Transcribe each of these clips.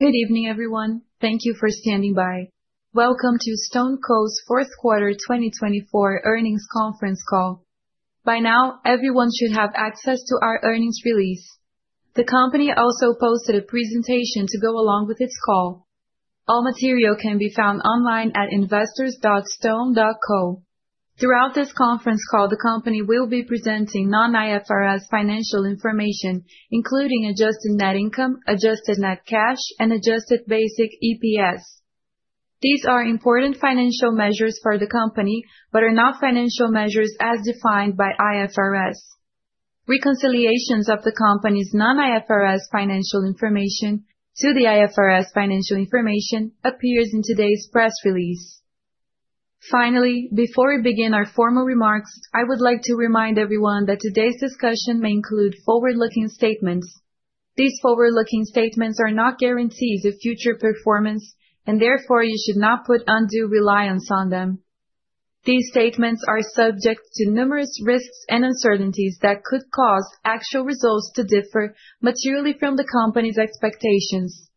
Good evening, everyone. Thank you for standing by. Welcome to StoneCo's Fourth Quarter 2024 Earnings Conference Call. By now, everyone should have access to our earnings release. The company also posted a presentation to go along with its call. All material can be found online at investors.stone.co. Throughout this conference call, the company will be presenting non-IFRS financial information, including adjusted net income, adjusted net cash, and adjusted basic EPS. These are important financial measures for the company but are not financial measures as defined by IFRS. Reconciliations of the company's non-IFRS financial information to the IFRS financial information appear in today's press release. Finally, before we begin our formal remarks, I would like to remind everyone that today's discussion may include forward-looking statements. These forward-looking statements are not guarantees of future performance, and therefore you should not put undue reliance on them. These statements are subject to numerous risks and uncertainties that could cause actual results to differ materially from the company's expectations.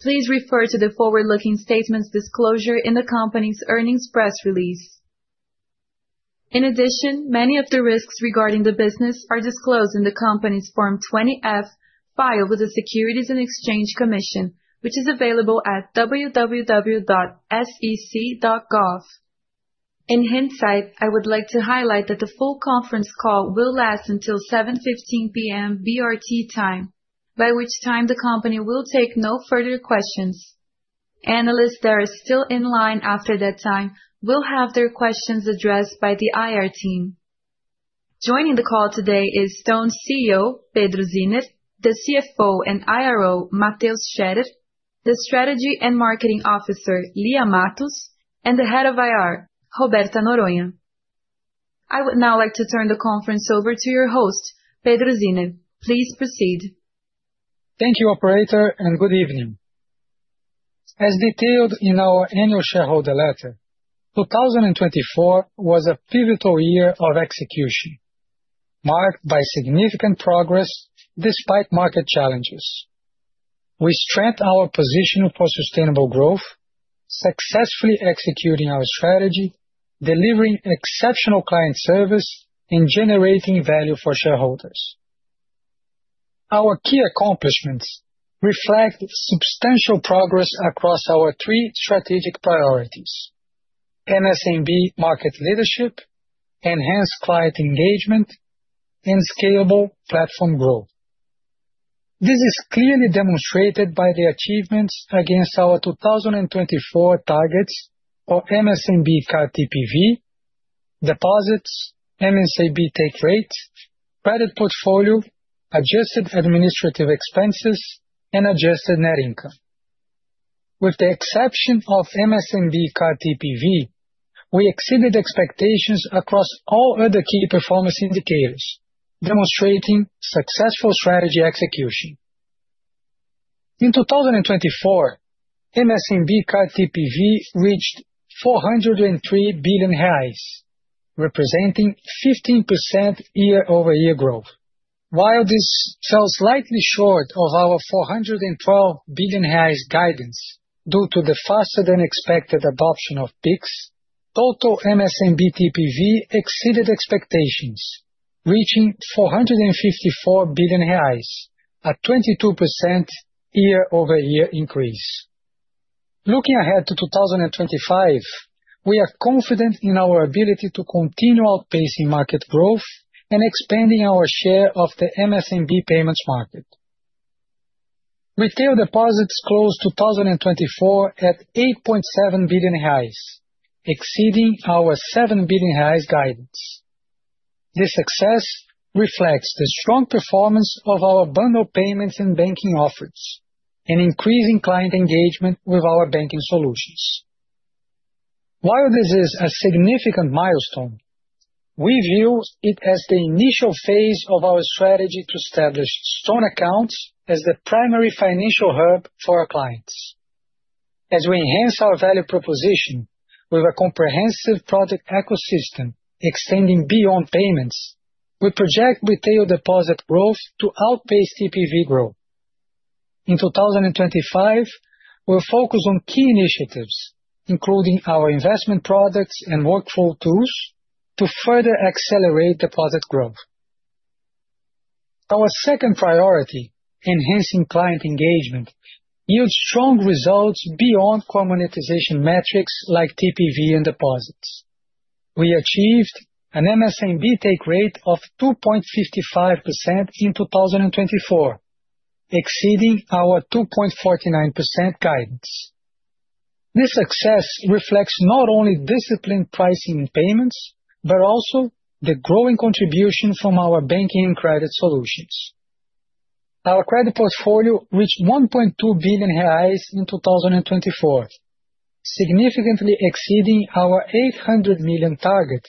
Please refer to the forward-looking statements disclosure in the company's earnings press release. In addition, many of the risks regarding the business are disclosed in the company's Form 20-F filed with the Securities and Exchange Commission, which is available at www.sec.gov. In hindsight, I would like to highlight that the full conference call will last until 7:15 PM BRT time, by which time the company will take no further questions. Analysts that are still in line after that time will have their questions addressed by the IR team. Joining the call today is Stone's CEO, Pedro Zinner, the CFO and IRO, Mateus Scherer, the Strategy and Marketing Officer, Lia Matos, and the Head of IR, Roberta Noronha. I would now like to turn the conference over to your host, Pedro Zinner. Please proceed. Thank you, Operator, and good evening. As detailed in our annual shareholder letter, 2024 was a pivotal year of execution, marked by significant progress despite market challenges. We strengthened our position for sustainable growth, successfully executing our strategy, delivering exceptional client service, and generating value for shareholders. Our key accomplishments reflect substantial progress across our three strategic priorities: MSMB market leadership, enhanced client engagement, and scalable platform growth. This is clearly demonstrated by the achievements against our 2024 targets for MSMB card TPV, deposits, MSMB take rate, credit portfolio, adjusted administrative expenses, and adjusted net income. With the exception of MSMB card TPV, we exceeded expectations across all other key performance indicators, demonstrating successful strategy execution. In 2024, MSMB card TPV reached 403 billion reais, representing 15% year-over-year growth. While this fell slightly short of our 412 billion reais guidance due to the faster-than-expected adoption of BICs, total MSMB TPV exceeded expectations, reaching 454 billion reais, a 22% year-over-year increase. Looking ahead to 2025, we are confident in our ability to continue outpacing market growth and expanding our share of the MSMB payments market. Retail deposits closed 2024 at 8.7 billion, exceeding our 7 billion guidance. This success reflects the strong performance of our bundled payments and banking offerings and increasing client engagement with our banking solutions. While this is a significant milestone, we view it as the initial phase of our strategy to establish Stone accounts as the primary financial hub for our clients. As we enhance our value proposition with a comprehensive product ecosystem extending beyond payments, we project retail deposit growth to outpace TPV growth. In 2025, we'll focus on key initiatives, including our investment products and workflow tools, to further accelerate deposit growth. Our second priority, enhancing client engagement, yields strong results beyond commoditization metrics like TPV and deposits. We achieved an MSMB take rate of 2.55% in 2024, exceeding our 2.49% guidance. This success reflects not only disciplined pricing and payments but also the growing contribution from our banking and credit solutions. Our credit portfolio reached 1.2 billion reais in 2024, significantly exceeding our 800 million target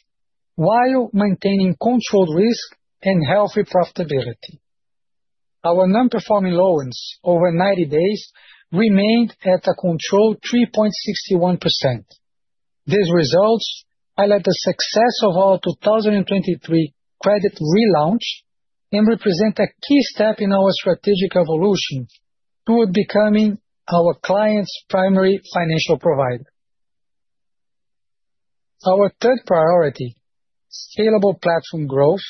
while maintaining controlled risk and healthy profitability. Our non-performing loans over 90 days remained at a controlled 3.61%. These results highlight the success of our 2023 credit relaunch and represent a key step in our strategic evolution toward becoming our client's primary financial provider. Our third priority, scalable platform growth,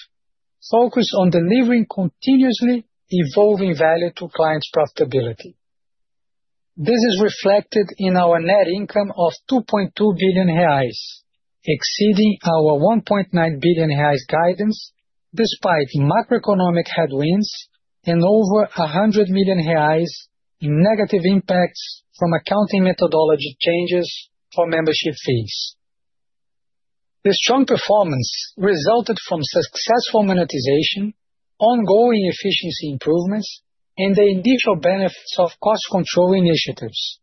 focuses on delivering continuously evolving value to clients' profitability. This is reflected in our net income of 2.2 billion reais, exceeding our 1.9 billion reais guidance despite macroeconomic headwinds and over 100 million reais in negative impacts from accounting methodology changes for membership fees. The strong performance resulted from successful monetization, ongoing efficiency improvements, and the initial benefits of cost control initiatives,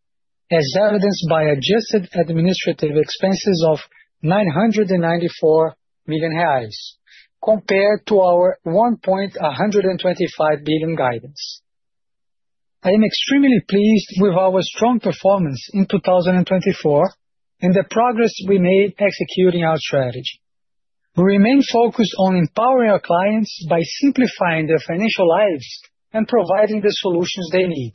as evidenced by adjusted administrative expenses of 994 million reais, compared to our 1.125 billion guidance. I am extremely pleased with our strong performance in 2024 and the progress we made executing our strategy. We remain focused on empowering our clients by simplifying their financial lives and providing the solutions they need.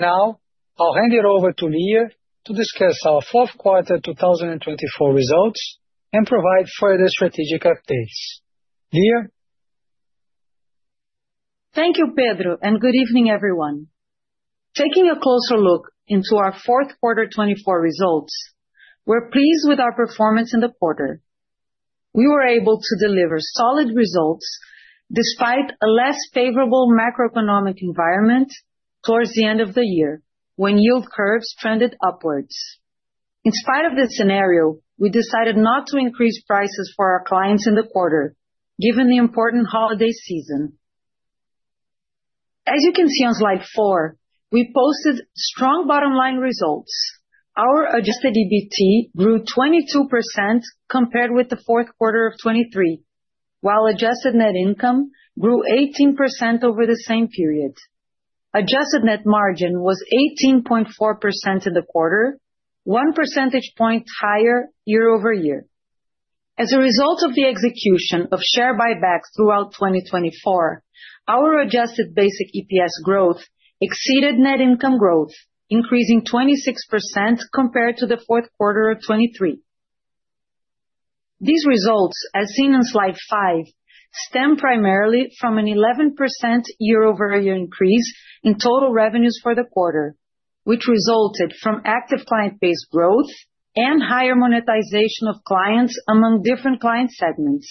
Now, I'll hand it over to Lia to discuss our fourth quarter 2024 results and provide further strategic updates. Lia? Thank you, Pedro, and good evening, everyone. Taking a closer look into our fourth quarter 2024 results, we're pleased with our performance in the quarter. We were able to deliver solid results despite a less favorable macroeconomic environment towards the end of the year when yield curves trended upwards. In spite of this scenario, we decided not to increase prices for our clients in the quarter, given the important holiday season. As you can see on slide four, we posted strong bottom-line results. Our adjusted EBT grew 22% compared with fourth quarter 2023, while adjusted net income grew 18% over the same period. Adjusted net margin was 18.4% in the quarter, one percentage point higher year-over-year. As a result of the execution of share buybacks throughout 2024, our adjusted basic EPS growth exceeded net income growth, increasing 26% compared to fourth quarter 2023. These results, as seen on slide five, stem primarily from an 11% year-over-year increase in total revenues for the quarter, which resulted from active client base growth and higher monetization of clients among different client segments.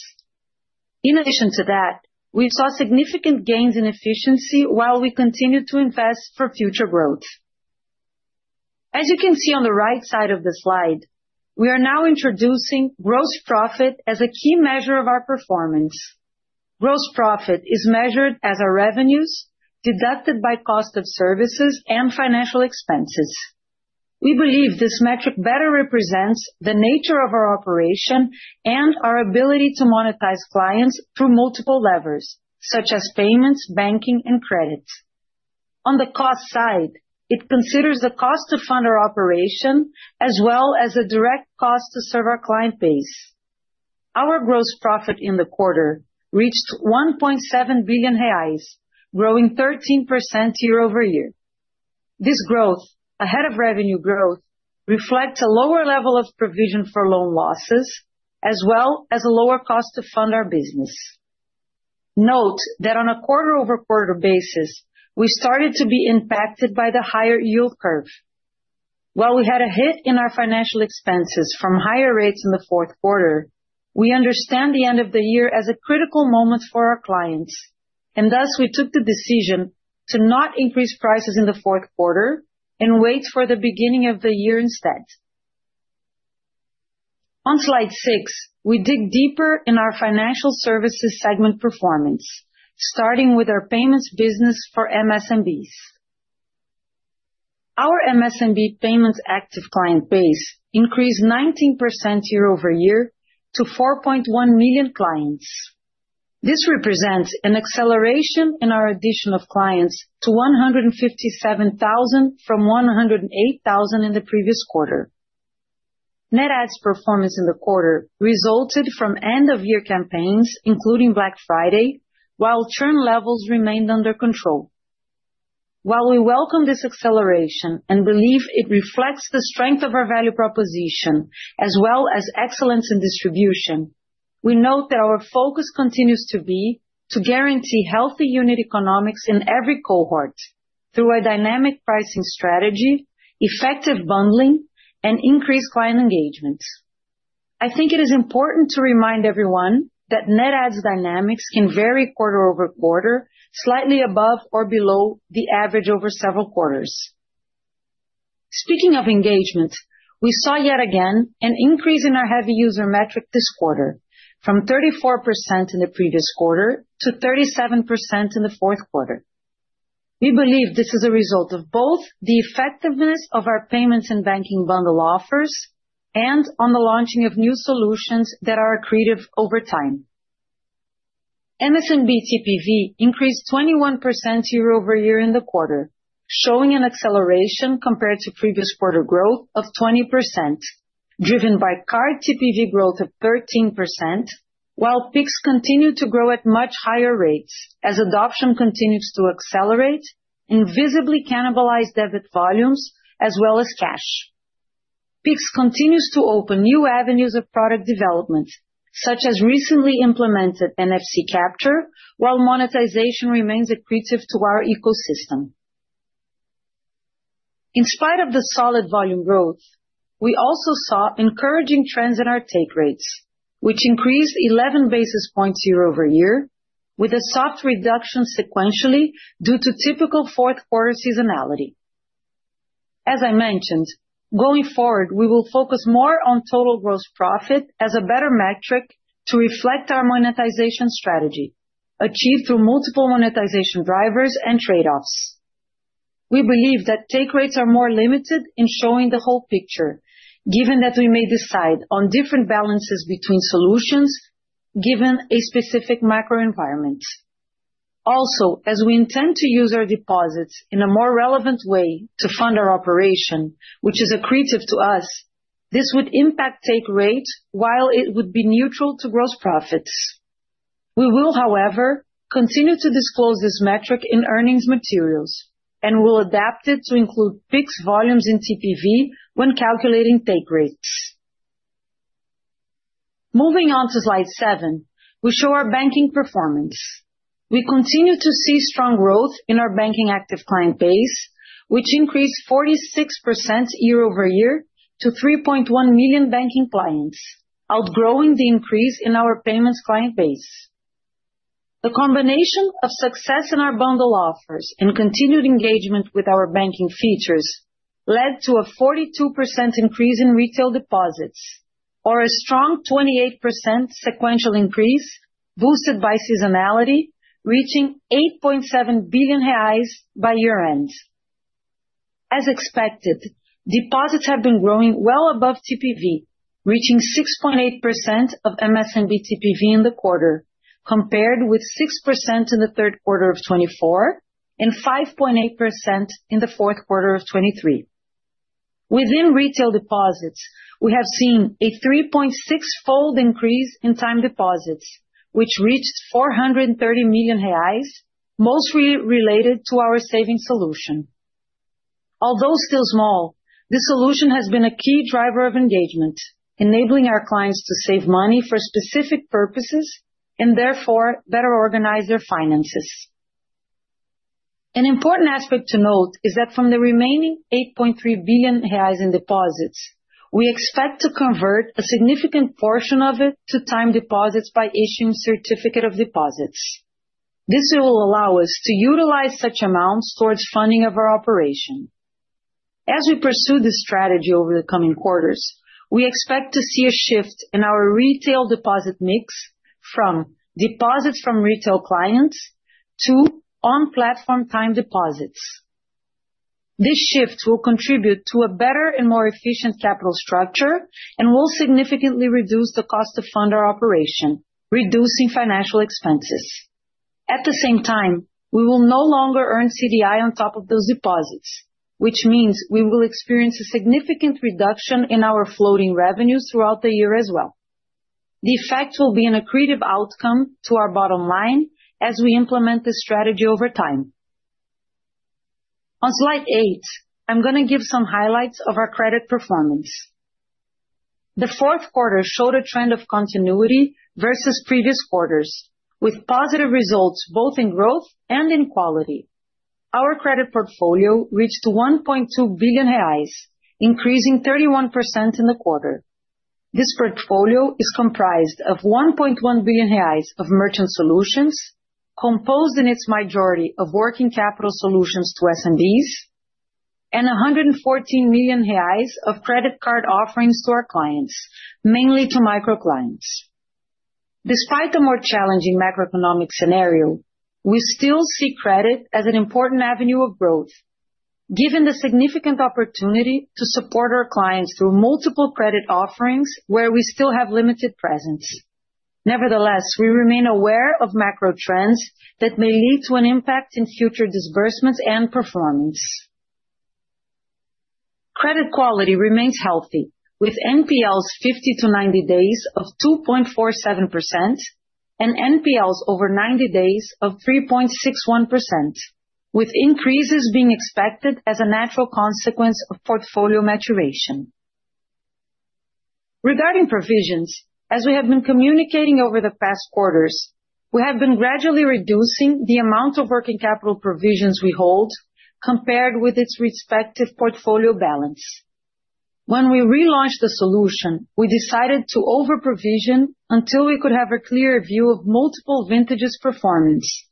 In addition to that, we saw significant gains in efficiency while we continued to invest for future growth. As you can see on the right side of the slide, we are now introducing gross profit as a key measure of our performance. Gross profit is measured as our revenues deducted by cost of services and financial expenses. We believe this metric better represents the nature of our operation and our ability to monetize clients through multiple levers, such as payments, banking, and credit. On the cost side, it considers the cost to fund our operation as well as a direct cost to serve our client base. Our gross profit in the quarter reached 1.7 billion reais, growing 13% year-over-year. This growth, ahead of revenue growth, reflects a lower level of provision for loan losses as well as a lower cost to fund our business. Note that on a quarter-over-quarter basis, we started to be impacted by the higher yield curve. While we had a hit in our financial expenses from higher rates in fourth quarter, we understand the end of the year as a critical moment for our clients, and thus we took the decision to not increase prices in fourth quarter and wait for the beginning of the year instead. On slide six, we dig deeper in our financial services segment performance, starting with our payments business for MSMBs. Our MSMB payments active client base increased 19% year-over-year to 4.1 million clients. This represents an acceleration in our addition of clients to 157,000 from 108,000 in the previous quarter. Net adds performance in the quarter resulted from end-of-year campaigns, including Black Friday, while churn levels remained under control. While we welcome this acceleration and believe it reflects the strength of our value proposition as well as excellence in distribution, we note that our focus continues to be to guarantee healthy unit economics in every cohort through a dynamic pricing strategy, effective bundling, and increased client engagement. I think it is important to remind everyone that net adds dynamics can vary quarter-over-quarter, slightly above or below the average over several quarters. Speaking of engagement, we saw yet again an increase in our heavy user metric this quarter, from 34% in the previous quarter to 37% in fourth quarter. We believe this is a result of both the effectiveness of our payments and banking bundle offers and on the launching of new solutions that are accretive over time. MSMB TPV increased 21% year-over-year in the quarter, showing an acceleration compared to previous quarter growth of 20%, driven by card TPV growth of 13%, while BICs continue to grow at much higher rates as adoption continues to accelerate and visibly cannibalize debit volumes as well as cash. BICs continue to open new avenues of product development, such as recently implemented NFC capture, while monetization remains accretive to our ecosystem. In spite of the solid volume growth, we also saw encouraging trends in our take rates, which increased 11 basis points year-over-year, with a soft reduction sequentially due to typical fourth quarter seasonality. As I mentioned, going forward, we will focus more on total gross profit as a better metric to reflect our monetization strategy achieved through multiple monetization drivers and trade-offs. We believe that take rates are more limited in showing the whole picture, given that we may decide on different balances between solutions given a specific macroenvironment. Also, as we intend to use our deposits in a more relevant way to fund our operation, which is accretive to us, this would impact take rate while it would be neutral to gross profits. We will, however, continue to disclose this metric in earnings materials and will adapt it to include BICs volumes in TPV when calculating take rates. Moving on to slide seven, we show our banking performance. We continue to see strong growth in our banking active client base, which increased 46% year-over-year to 3.1 million banking clients, outgrowing the increase in our payments client base. The combination of success in our bundle offers and continued engagement with our banking features led to a 42% increase in retail deposits, or a strong 28% sequential increase boosted by seasonality, reaching 8.7 billion reais by year-end. As expected, deposits have been growing well above TPV, reaching 6.8% of MSMB TPV in the quarter, compared with 6% in third quarter 2024 and 5.8% in fourth quarter 2023. Within retail deposits, we have seen a 3.6-fold increase in time deposits, which reached 430 million reais, mostly related to our savings solution. Although still small, this solution has been a key driver of engagement, enabling our clients to save money for specific purposes and therefore better organize their finances. An important aspect to note is that from the remaining 8.3 billion reais in deposits, we expect to convert a significant portion of it to time deposits by issuing certificates of deposit. This will allow us to utilize such amounts towards funding of our operation. As we pursue this strategy over the coming quarters, we expect to see a shift in our retail deposit mix from deposits from retail clients to on-platform time deposits. This shift will contribute to a better and more efficient capital structure and will significantly reduce the cost to fund our operation, reducing financial expenses. At the same time, we will no longer earn CDI on top of those deposits, which means we will experience a significant reduction in our floating revenues throughout the year as well. The effect will be an accretive outcome to our bottom line as we implement this strategy over time. On slide eight, I'm going to give some highlights of our credit performance. The fourth quarter showed a trend of continuity versus previous quarters, with positive results both in growth and in quality. Our credit portfolio reached 1.2 billion reais, increasing 31% in the quarter. This portfolio is comprised of 1.1 billion reais of merchant solutions, composed in its majority of working capital solutions to SMBs, and 114 million reais of credit card offerings to our clients, mainly to micro-clients. Despite the more challenging macroeconomic scenario, we still see credit as an important avenue of growth, given the significant opportunity to support our clients through multiple credit offerings where we still have limited presence. Nevertheless, we remain aware of macro trends that may lead to an impact in future disbursements and performance. Credit quality remains healthy, with NPLs 50 to 90 days of 2.47% and NPLs over 90 days of 3.61%, with increases being expected as a natural consequence of portfolio maturation. Regarding provisions, as we have been communicating over the past quarters, we have been gradually reducing the amount of working capital provisions we hold compared with its respective portfolio balance. When we relaunched the solution, we decided to over-provision until we could have a clear view of multiple vintages' performance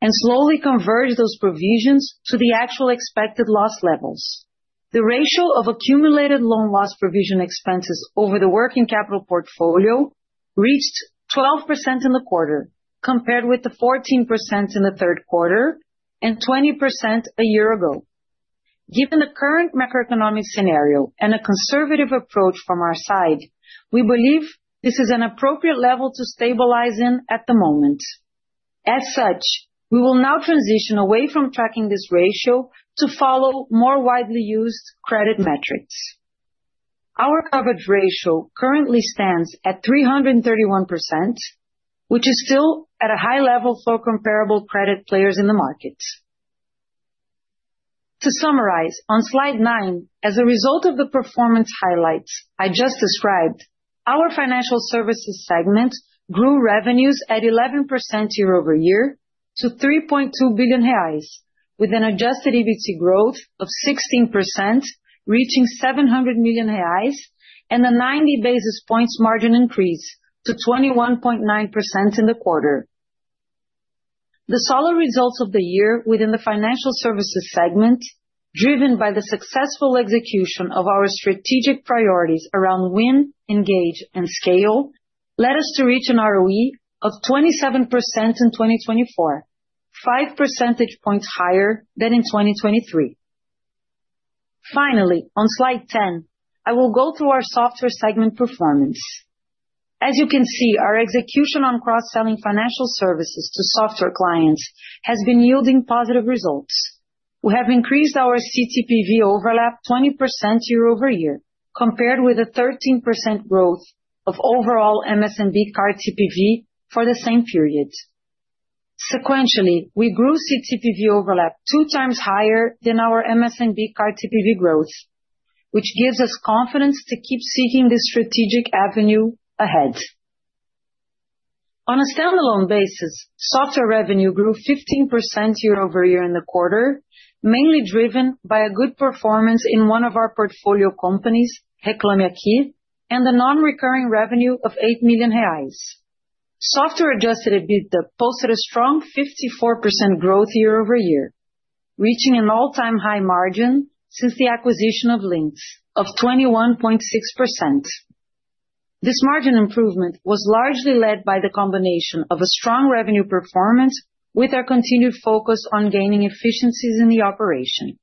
and slowly converge those provisions to the actual expected loss levels. The ratio of accumulated loan loss provision expenses over the working capital portfolio reached 12% in the quarter, compared with the 14% in third quarter and 20% a year ago. Given the current macroeconomic scenario and a conservative approach from our side, we believe this is an appropriate level to stabilize in at the moment. As such, we will now transition away from tracking this ratio to follow more widely used credit metrics. Our coverage ratio currently stands at 331%, which is still at a high level for comparable credit players in the market. To summarize, on slide nine, as a result of the performance highlights I just described, our financial services segment grew revenues at 11% year-over-year to 3.2 billion reais, with an adjusted EBT growth of 16%, reaching 700 million reais, and a 90 basis points margin increase to 21.9% in the quarter. The solid results of the year within the financial services segment, driven by the successful execution of our strategic priorities around win, engage, and scale, led us to reach an ROE of 27% in 2024, 5 percentage points higher than in 2023. Finally, on slide 10, I will go through our software segment performance. As you can see, our execution on cross-selling financial services to software clients has been yielding positive results. We have increased our CTPV overlap 20% year-over-year, compared with a 13% growth of overall MSMB card TPV for the same period. Sequentially, we grew CTPV overlap two times higher than our MSMB card TPV growth, which gives us confidence to keep seeking this strategic avenue ahead. On a standalone basis, software revenue grew 15% year-over-year in the quarter, mainly driven by a good performance in one of our portfolio companies, Hecla, and a non-recurring revenue of 8 million reais. Software-adjusted EBITDA posted a strong 54% growth year-over-year, reaching an all-time high margin since the acquisition of Linx, of 21.6%. This margin improvement was largely led by the combination of a strong revenue performance with our continued focus on gaining efficiencies in the operation.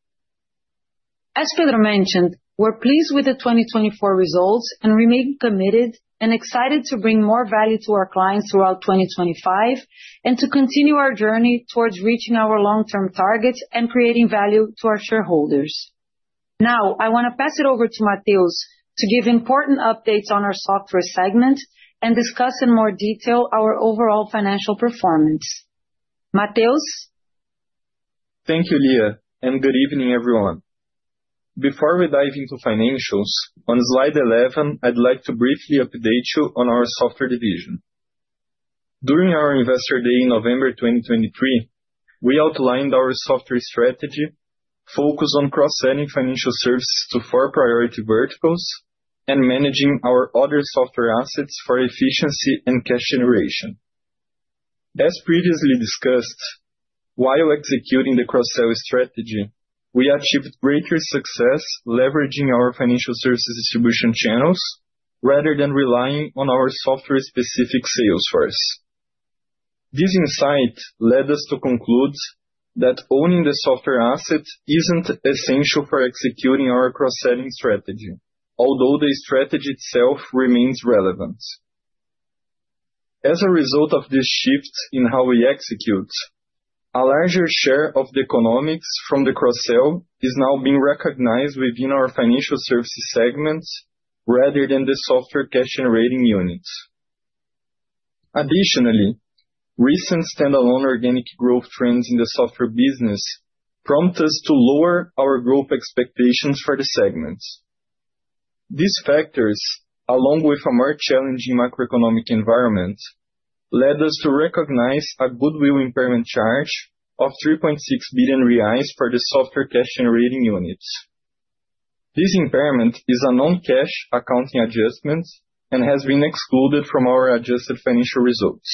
As Pedro mentioned, we're pleased with the 2024 results and remain committed and excited to bring more value to our clients throughout 2025 and to continue our journey towards reaching our long-term targets and creating value to our shareholders. Now, I want to pass it over to Mateus to give important updates on our software segment and discuss in more detail our overall financial performance. Mateus? Thank you, Lia, and good evening, everyone. Before we dive into financials, on slide 11, I'd like to briefly update you on our software division. During our Investor Day in November 2023, we outlined our software strategy, focused on cross-selling financial services to four priority verticals and managing our other software assets for efficiency and cash generation. As previously discussed, while executing the cross-sell strategy, we achieved greater success leveraging our financial services distribution channels rather than relying on our software-specific sales force. This insight led us to conclude that owning the software asset is not essential for executing our cross-selling strategy, although the strategy itself remains relevant. As a result of this shift in how we execute, a larger share of the economics from the cross-sell is now being recognized within our financial services segment rather than the software cash-generating units. Additionally, recent standalone organic growth trends in the software business prompt us to lower our growth expectations for the segment. These factors, along with a more challenging macroeconomic environment, led us to recognize a goodwill impairment charge of 3.6 billion reais for the software cash-generating units. This impairment is a non-cash accounting adjustment and has been excluded from our adjusted financial results.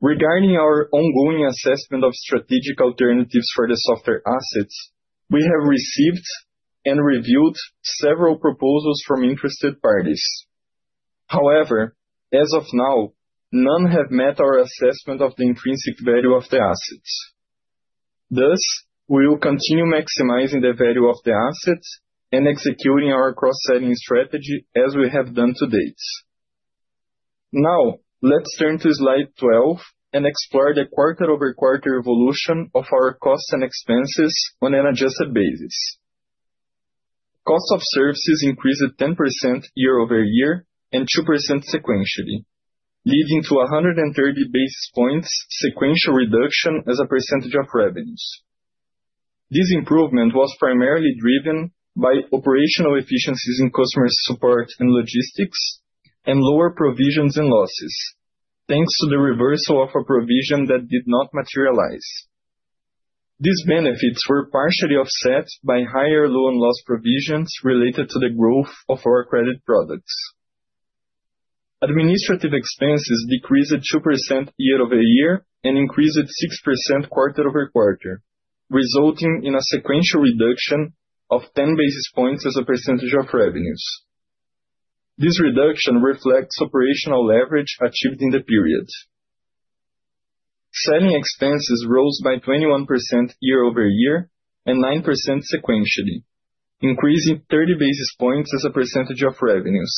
Regarding our ongoing assessment of strategic alternatives for the software assets, we have received and reviewed several proposals from interested parties. However, as of now, none have met our assessment of the intrinsic value of the assets. Thus, we will continue maximizing the value of the assets and executing our cross-selling strategy as we have done to date. Now, let's turn to slide 12 and explore the quarter-over-quarter evolution of our costs and expenses on an adjusted basis. Cost of services increased 10% year-over-year and 2% sequentially, leading to a 130 basis points sequential reduction as a percentage of revenues. This improvement was primarily driven by operational efficiencies in customer support and logistics and lower provisions and losses, thanks to the reversal of a provision that did not materialize. These benefits were partially offset by higher loan loss provisions related to the growth of our credit products. Administrative expenses decreased 2% year-over-year and increased 6% quarter-over-quarter, resulting in a sequential reduction of 10 basis points as a percentage of revenues. This reduction reflects operational leverage achieved in the period. Selling expenses rose by 21% year-over-year and 9% sequentially, increasing 30 basis points as a percentage of revenues.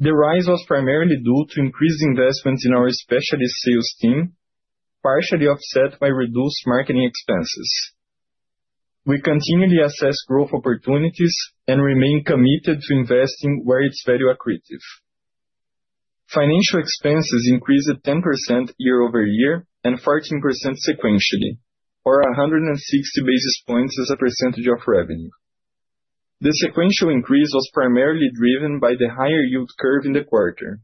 The rise was primarily due to increased investment in our specialist sales team, partially offset by reduced marketing expenses. We continually assess growth opportunities and remain committed to investing where it's value accretive. Financial expenses increased 10% year-over-year and 14% sequentially, or 160 basis points as a percentage of revenue. The sequential increase was primarily driven by the higher yield curve in the quarter.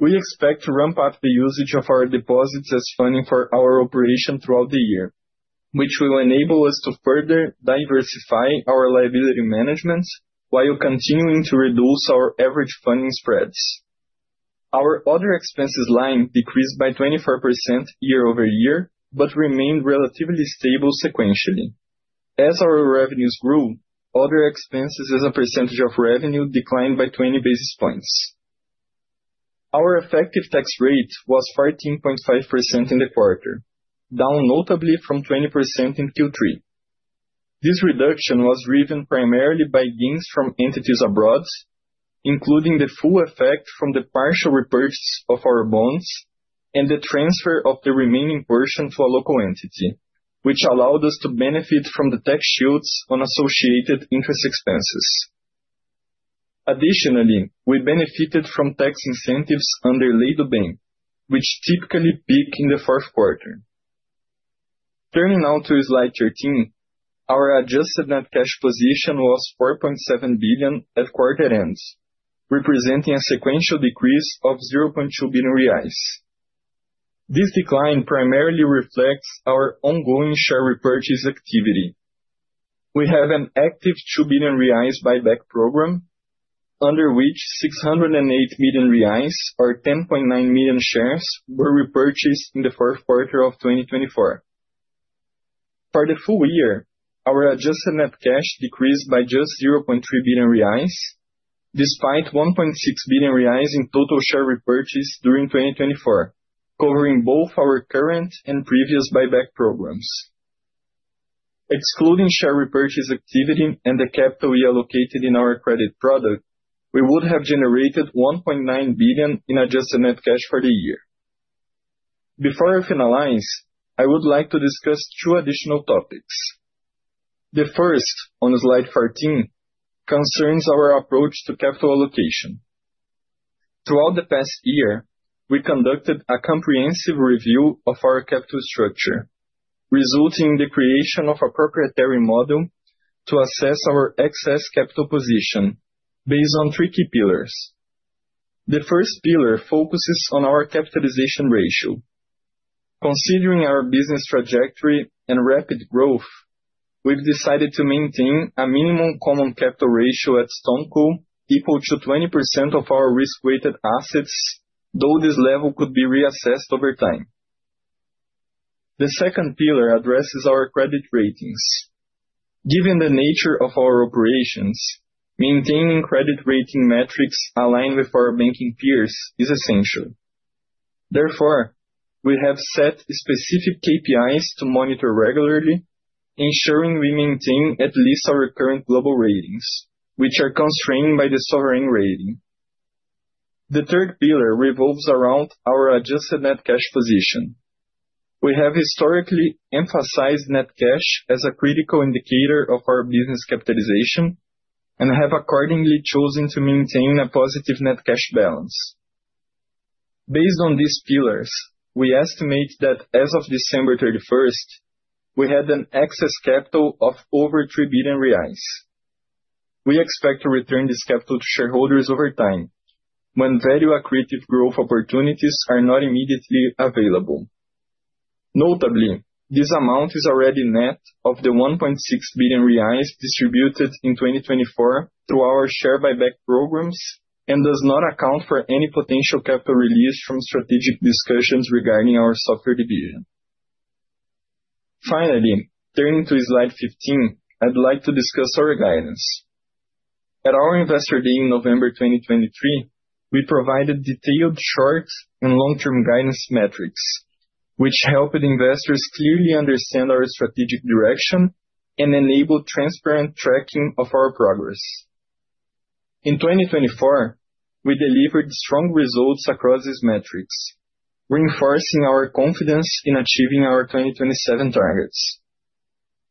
We expect to ramp up the usage of our deposits as funding for our operation throughout the year, which will enable us to further diversify our liability management while continuing to reduce our average funding spreads. Our other expenses line decreased by 24% year-over-year but remained relatively stable sequentially. As our revenues grew, other expenses as a percentage of revenue declined by 20 basis points. Our effective tax rate was 14.5% in the quarter, down notably from 20% in Q3. This reduction was driven primarily by gains from entities abroad, including the full effect from the partial repurchase of our bonds and the transfer of the remaining portion to a local entity, which allowed us to benefit from the tax shields on associated interest expenses. Additionally, we benefited from tax incentives under Lei do Bem, which typically peak in the fourth quarter. Turning now to slide 13, our adjusted net cash position was 4.7 billion at quarter end, representing a sequential decrease of 0.2 billion reais. This decline primarily reflects our ongoing share repurchase activity. We have an active 2 billion reais buyback program, under which 608 million reais, or 10.9 million shares, were repurchased in the fourth quarter of 2024. For the full year, our adjusted net cash decreased by just 0.3 billion reais, despite 1.6 billion reais in total share repurchase during 2024, covering both our current and previous buyback programs. Excluding share repurchase activity and the capital we allocated in our credit product, we would have generated 1.9 billion in adjusted net cash for the year. Before I finalize, I would like to discuss two additional topics. The first, on slide 14, concerns our approach to capital allocation. Throughout the past year, we conducted a comprehensive review of our capital structure, resulting in the creation of a proprietary model to assess our excess capital position based on three key pillars. The first pillar focuses on our capitalization ratio. Considering our business trajectory and rapid growth, we've decided to maintain a minimum common capital ratio at StoneCo equal to 20% of our risk-weighted assets, though this level could be reassessed over time. The second pillar addresses our credit ratings. Given the nature of our operations, maintaining credit rating metrics aligned with our banking peers is essential. Therefore, we have set specific KPIs to monitor regularly, ensuring we maintain at least our current global ratings, which are constrained by the sovereign rating. The third pillar revolves around our adjusted net cash position. We have historically emphasized net cash as a critical indicator of our business capitalization and have accordingly chosen to maintain a positive net cash balance. Based on these pillars, we estimate that as of December 31st, we had an excess capital of over 3 billion reais. We expect to return this capital to shareholders over time when value-accretive growth opportunities are not immediately available. Notably, this amount is already net of the 1.6 billion reais distributed in 2024 through our share buyback programs and does not account for any potential capital release from strategic discussions regarding our software division. Finally, turning to slide 15, I'd like to discuss our guidance. At our Investor Day in November 2023, we provided detailed short and long-term guidance metrics, which helped investors clearly understand our strategic direction and enabled transparent tracking of our progress. In 2024, we delivered strong results across these metrics, reinforcing our confidence in achieving our 2027 targets.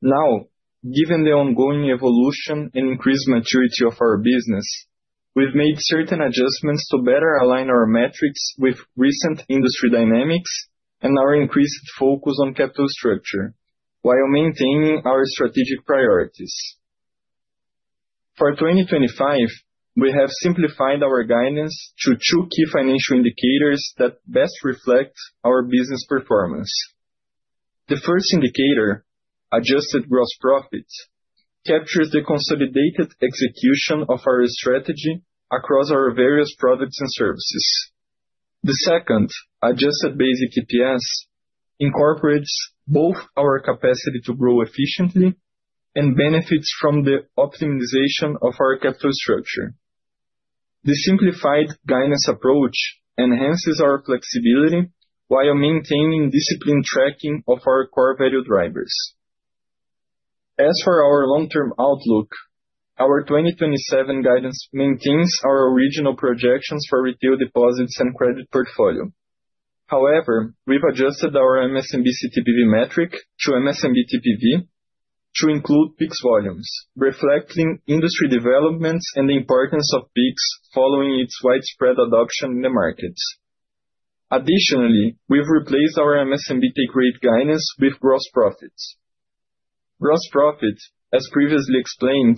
Now, given the ongoing evolution and increased maturity of our business, we've made certain adjustments to better align our metrics with recent industry dynamics and our increased focus on capital structure, while maintaining our strategic priorities. For 2025, we have simplified our guidance to two key financial indicators that best reflect our business performance. The first indicator, adjusted gross profit, captures the consolidated execution of our strategy across our various products and services. The second, adjusted basic EPS, incorporates both our capacity to grow efficiently and benefits from the optimization of our capital structure. The simplified guidance approach enhances our flexibility while maintaining disciplined tracking of our core value drivers. As for our long-term outlook, our 2027 guidance maintains our original projections for retail deposits and credit portfolio. However, we've adjusted our MSMB CTPV metric to MSMB TPV to include PIX volumes, reflecting industry developments and the importance of PIX following its widespread adoption in the markets. Additionally, we've replaced our MSMB take rate guidance with gross profits. Gross profit, as previously explained,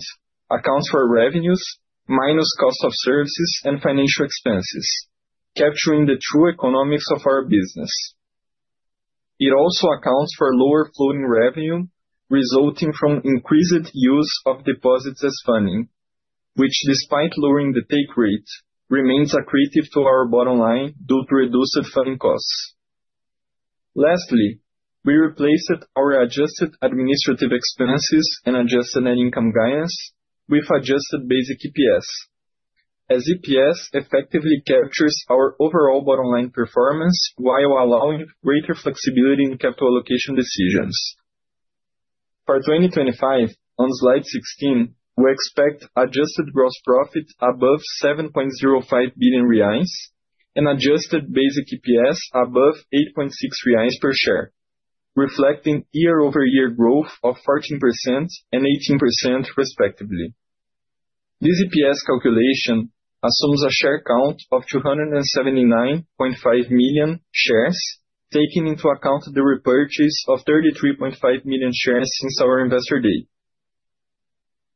accounts for revenues minus cost of services and financial expenses, capturing the true economics of our business. It also accounts for lower floating revenue resulting from increased use of deposits as funding, which, despite lowering the take rate, remains accretive to our bottom line due to reduced funding costs. Lastly, we replaced our adjusted administrative expenses and adjusted net income guidance with adjusted basic EPS, as EPS effectively captures our overall bottom line performance while allowing greater flexibility in capital allocation decisions. For 2025, on slide 16, we expect adjusted gross profit above 7.05 billion reais and adjusted basic EPS above 8.6 reais per share, reflecting year-over-year growth of 14% and 18%, respectively. This EPS calculation assumes a share count of 279.5 million shares, taking into account the repurchase of 33.5 million shares since our Investor Day.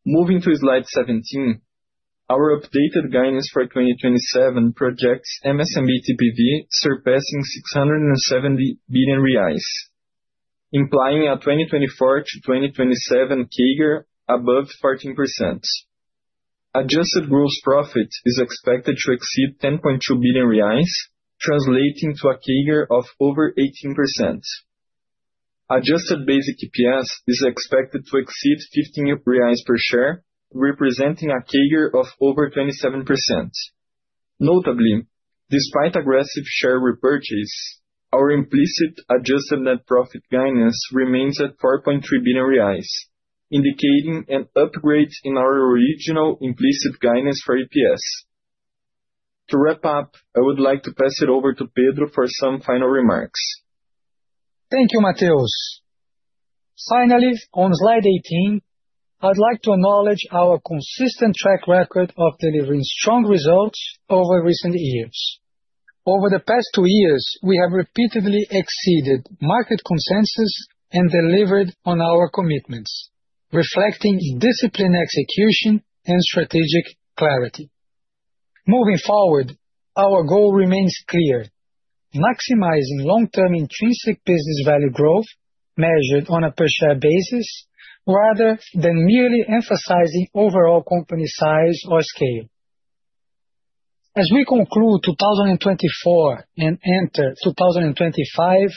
Moving to slide 17, our updated guidance for 2027 projects MSMB TPV surpassing 670 billion reais, implying a 2024-2027 CAGR above 14%. Adjusted gross profit is expected to exceed 10.2 billion reais, translating to a CAGR of over 18%. Adjusted basic EPS is expected to exceed 15 per share, representing a CAGR of over 27%. Notably, despite aggressive share repurchase, our implicit adjusted net profit guidance remains at 4.3 billion reais, indicating an upgrade in our original implicit guidance for EPS. To wrap up, I would like to pass it over to Pedro for some final remarks. Thank you, Mateus. Finally, on slide 18, I'd like to acknowledge our consistent track record of delivering strong results over recent years. Over the past two years, we have repeatedly exceeded market consensus and delivered on our commitments, reflecting disciplined execution and strategic clarity. Moving forward, our goal remains clear: maximizing long-term intrinsic business value growth measured on a per-share basis, rather than merely emphasizing overall company size or scale. As we conclude 2024 and enter 2025,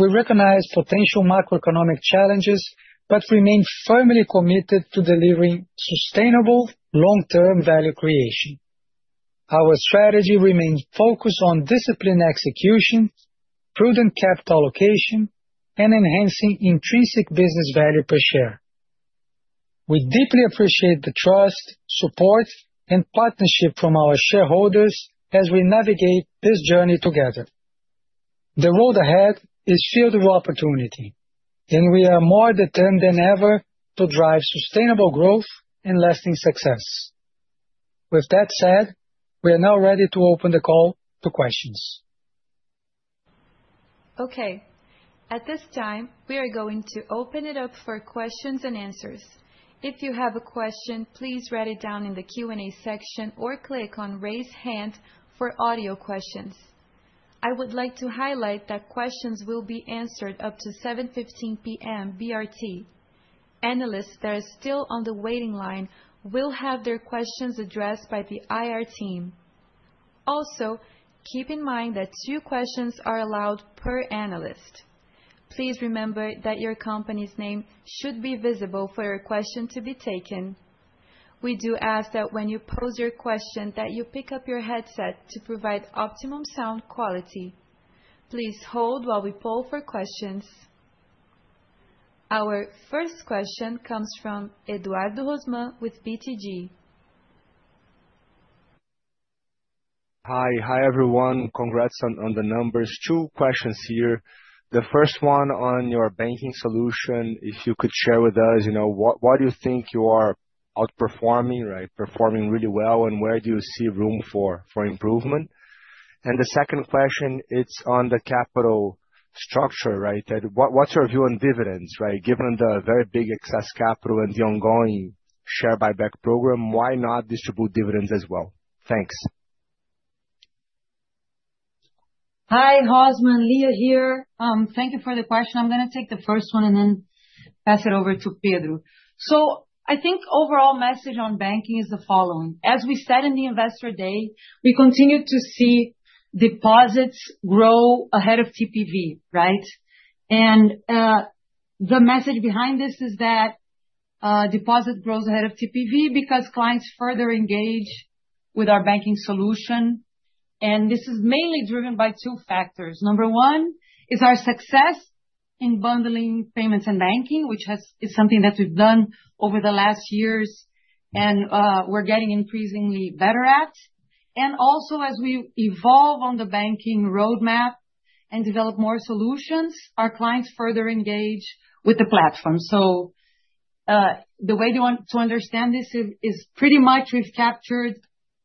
we recognize potential macroeconomic challenges but remain firmly committed to delivering sustainable long-term value creation. Our strategy remains focused on disciplined execution, prudent capital allocation, and enhancing intrinsic business value per share. We deeply appreciate the trust, support, and partnership from our shareholders as we navigate this journey together. The road ahead is filled with opportunity, and we are more determined than ever to drive sustainable growth and lasting success. With that said, we are now ready to open the call to questions. Okay. At this time, we are going to open it up for questions and answers. If you have a question, please write it down in the Q&A section or click on "Raise Hand" for audio questions. I would like to highlight that questions will be answered up to 7:15 PM BRT. Analysts that are still on the waiting line will have their questions addressed by the IR team. Also, keep in mind that two questions are allowed per analyst. Please remember that your company's name should be visible for your question to be taken. We do ask that when you pose your question, that you pick up your headset to provide optimum sound quality. Please hold while we poll for questions. Our first question comes from Eduardo Rosman with BTG. Hi, hi everyone. Congrats on the numbers. Two questions here. The first one on your banking solution, if you could share with us, you know, what do you think you are outperforming, right? Performing really well, and where do you see room for improvement? The second question, it's on the capital structure, right? What's your view on dividends, right? Given the very big excess capital and the ongoing share buyback program, why not distribute dividends as well? Thanks. Hi, Rosman, Lia here. Thank you for the question. I'm going to take the first one and then pass it over to Pedro. I think the overall message on banking is the following. As we said in the Investor Day, we continue to see deposits grow ahead of TPV, right? The message behind this is that deposit grows ahead of TPV because clients further engage with our banking solution. This is mainly driven by two factors. Number one is our success in bundling payments and banking, which is something that we've done over the last years and we're getting increasingly better at. Also, as we evolve on the banking roadmap and develop more solutions, our clients further engage with the platform. The way they want to understand this is pretty much we've captured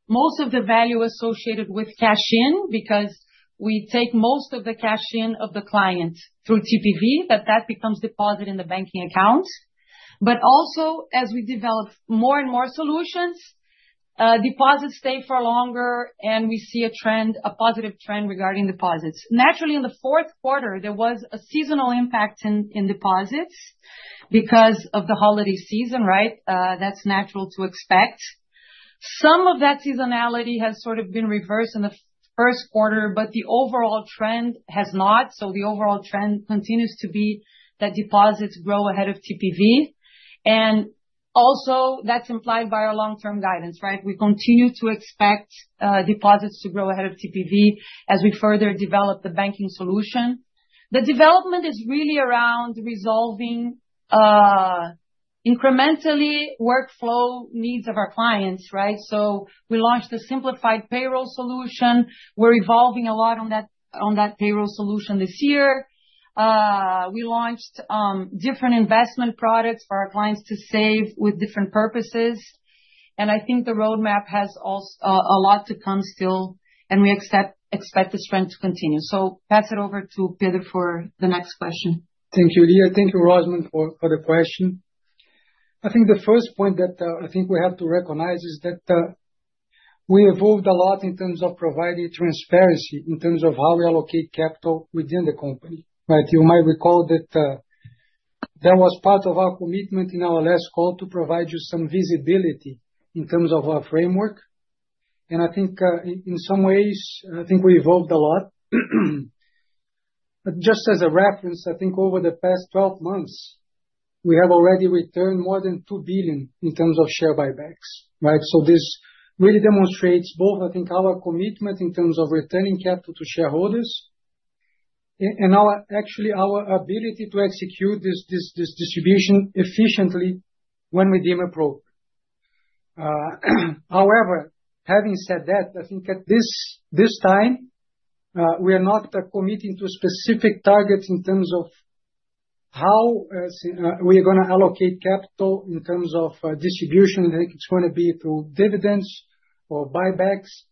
most of the value associated with cash in because we take most of the cash in of the client through TPV, but that becomes deposited in the banking account. Also, as we develop more and more solutions, deposits stay for longer and we see a trend, a positive trend regarding deposits. Naturally, in the fourth quarter, there was a seasonal impact in deposits because of the holiday season, right? That's natural to expect. Some of that seasonality has sort of been reversed in the first quarter, but the overall trend has not. The overall trend continues to be that deposits grow ahead of TPV. Also, that's implied by our long-term guidance, right? We continue to expect deposits to grow ahead of TPV as we further develop the banking solution. The development is really around resolving incrementally workflow needs of our clients, right? We launched a simplified payroll solution. We're evolving a lot on that payroll solution this year. We launched different investment products for our clients to save with different purposes. I think the roadmap has also a lot to come still, and we expect the strength to continue. Pass it over to Peter for the next question. Thank you, Lia. Thank you, Rosman, for the question. I think the first point that I think we have to recognize is that we evolved a lot in terms of providing transparency in terms of how we allocate capital within the company, right? You might recall that that was part of our commitment in our last call to provide you some visibility in terms of our framework. I think in some ways, I think we evolved a lot. Just as a reference, I think over the past 12 months, we have already returned more than 2 billion in terms of share buybacks, right? This really demonstrates both, I think, our commitment in terms of returning capital to shareholders and our, actually, our ability to execute this, this distribution efficiently when we deem appropriate. However, having said that, I think at this time, we are not committing to specific targets in terms of how we are going to allocate capital in terms of distribution. I think it is going to be through dividends or buybacks.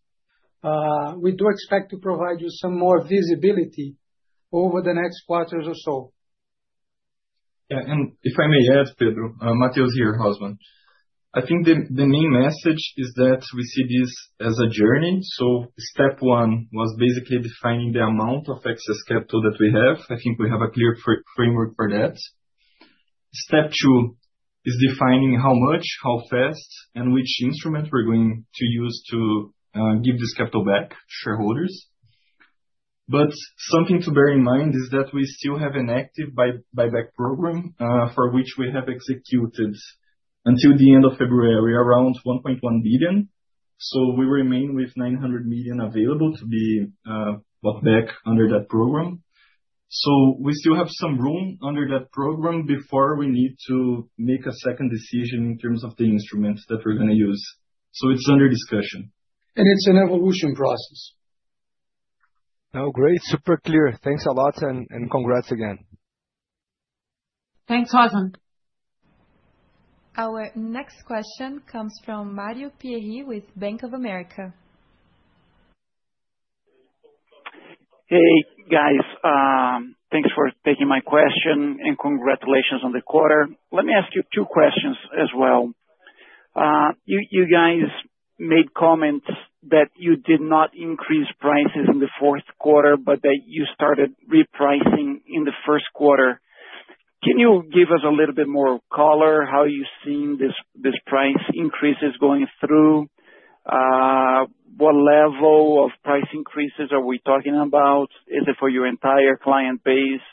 We do expect to provide you some more visibility over the next quarters or so. Yeah, and if I may add, Pedro, Mateus here, Rosman, I think the main message is that we see this as a journey. Step one was basically defining the amount of excess capital that we have. I think we have a clear framework for that. Step two is defining how much, how fast, and which instrument we are going to use to give this capital back to shareholders. Something to bear in mind is that we still have an active buyback program for which we have executed until the end of February around 1.1 billion. We remain with 900 million available to be bought back under that program. We still have some room under that program before we need to make a second decision in terms of the instruments that we're going to use. It is under discussion. It is an evolution process. Oh, great. Super clear. Thanks a lot and congrats again. Thanks, Rosman. Our next question comes from Mario Pierry with Bank of America. Hey, guys, thanks for taking my question and congratulations on the quarter. Let me ask you two questions as well. You guys made comments that you did not increase prices in the fourth quarter, but that you started repricing in the first quarter. Can you give us a little bit more color? How are you seeing this price increases going through? What level of price increases are we talking about? Is it for your entire client base?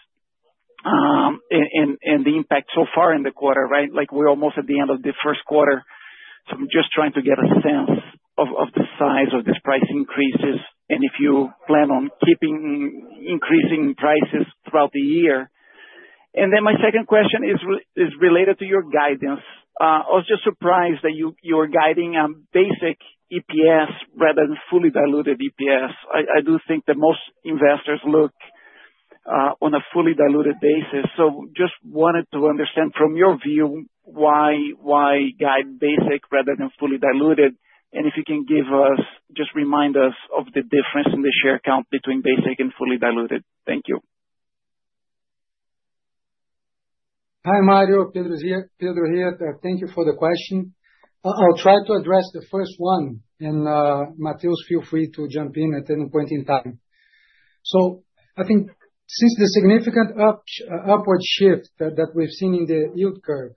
And the impact so far in the quarter, right? Like we're almost at the end of the first quarter. I am just trying to get a sense of the size of these price increases and if you plan on keeping increasing prices throughout the year. My second question is related to your guidance. I was just surprised that you were guiding a basic EPS rather than fully diluted EPS. I do think that most investors look on a fully diluted basis. I just wanted to understand from your view why guide basic rather than fully diluted? If you can give us, just remind us of the difference in the share count between basic and fully diluted. Thank you. Hi, Mario, Pedro Zinner. Thank you for the question. I'll try to address the first one, and Mateus, feel free to jump in at any point in time. I think since the significant upward shift that we've seen in the yield curve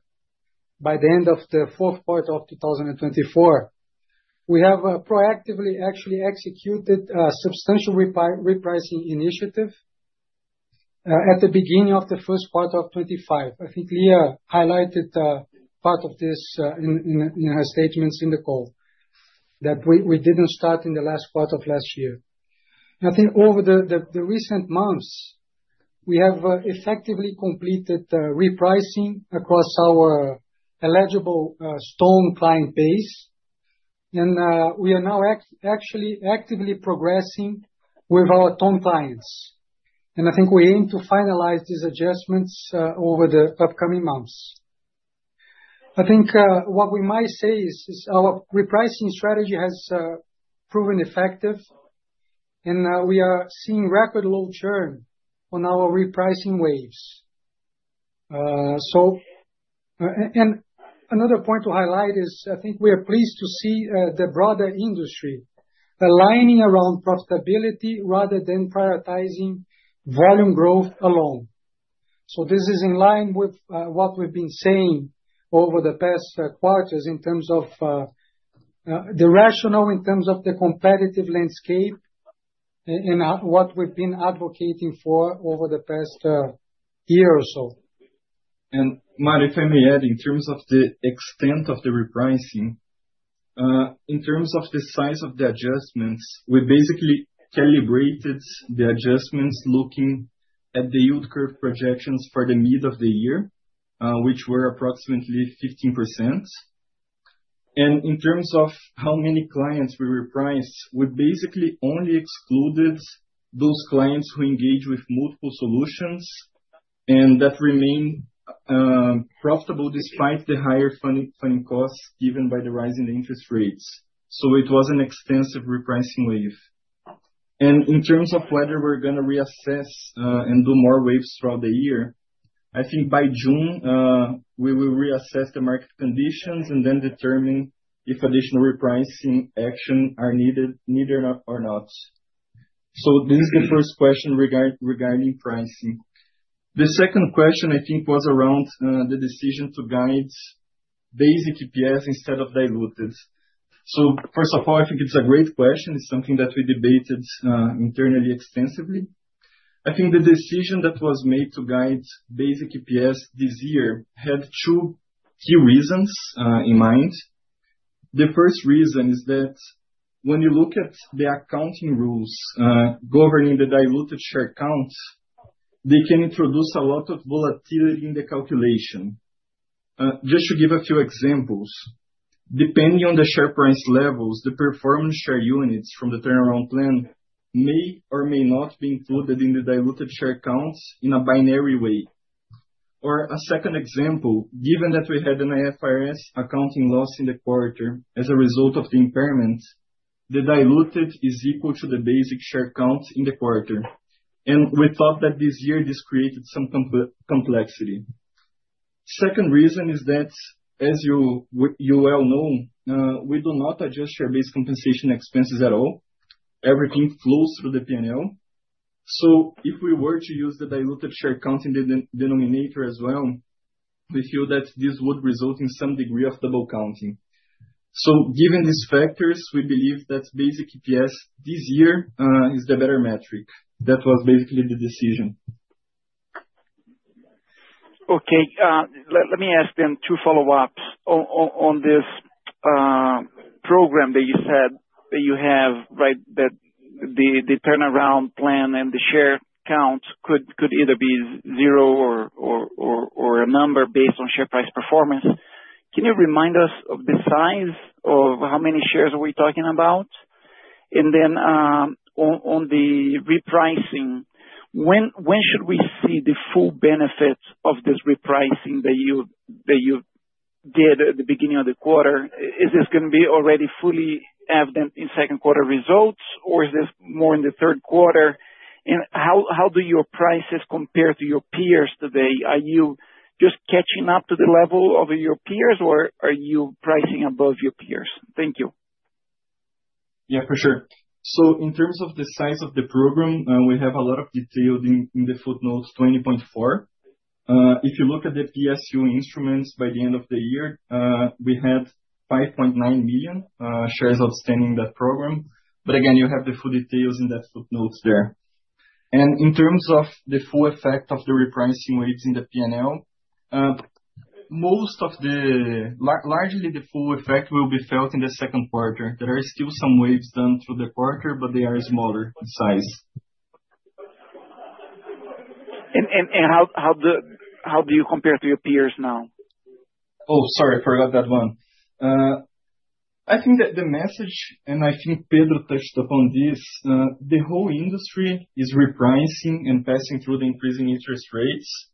by the end of the fourth quarter of 2024, we have proactively actually executed a substantial repricing initiative at the beginning of the first quarter of 2025. I think Lia highlighted part of this in her statements in the call that we did not start in the last quarter of last year. I think over the recent months, we have effectively completed repricing across our eligible Stone client base. We are now actually actively progressing with our Stone clients. I think we aim to finalize these adjustments over the upcoming months. I think what we might say is our repricing strategy has proven effective, and we are seeing record low churn on our repricing waves. Another point to highlight is I think we are pleased to see the broader industry aligning around profitability rather than prioritizing volume growth alone. This is in line with what we have been saying over the past quarters in terms of the rationale in terms of the competitive landscape and what we have been advocating for over the past year or so. Mario, if I may add, in terms of the extent of the repricing, in terms of the size of the adjustments, we basically calibrated the adjustments looking at the yield curve projections for the middle of the year, which were approximately 15%. In terms of how many clients we repriced, we basically only excluded those clients who engage with multiple solutions and that remain profitable despite the higher funding costs given by the rising interest rates. It was an extensive repricing wave. In terms of whether we are going to reassess and do more waves throughout the year, I think by June, we will reassess the market conditions and then determine if additional repricing action is needed or not. This is the first question regarding pricing. The second question I think was around the decision to guide basic EPS instead of diluted. First of all, I think it is a great question. It is something that we debated internally extensively. I think the decision that was made to guide basic EPS this year had two key reasons in mind. The first reason is that when you look at the accounting rules governing the diluted share count, they can introduce a lot of volatility in the calculation. Just to give a few examples, depending on the share price levels, the performance share units from the turnaround plan may or may not be included in the diluted share counts in a binary way. A second example, given that we had an IFRS accounting loss in the quarter as a result of the impairment, the diluted is equal to the basic share count in the quarter. We thought that this year this created some complexity. Second reason is that, as you well know, we do not adjust share-based compensation expenses at all. Everything flows through the P&L. If we were to use the diluted share count in the denominator as well, we feel that this would result in some degree of double counting. Given these factors, we believe that basic EPS this year is the better metric. That was basically the decision. Okay, let me ask two follow-ups on this program that you said you have, right? The turnaround plan and the share count could either be zero or a number based on share price performance. Can you remind us of the size of how many shares we are talking about? On the repricing, when should we see the full benefit of this repricing that you did at the beginning of the quarter? Is this going to be already fully evident in second quarter results, or is this more in the third quarter? How do your prices compare to your peers today? Are you just catching up to the level of your peers, or are you pricing above your peers? Thank you. Yeah, for sure. In terms of the size of the program, we have a lot of detail in the footnotes 20.4. If you look at the PSU instruments by the end of the year, we had 5.9 million shares outstanding in that program. You have the full details in that footnotes there. In terms of the full effect of the repricing waves in the P&L, largely the full effect will be felt in the second quarter. There are still some waves done through the quarter, but they are smaller in size. How do you compare to your peers now? Oh, sorry, I forgot that one. I think that the message, and I think Pedro touched upon this, the whole industry is repricing and passing through the increasing interest rates.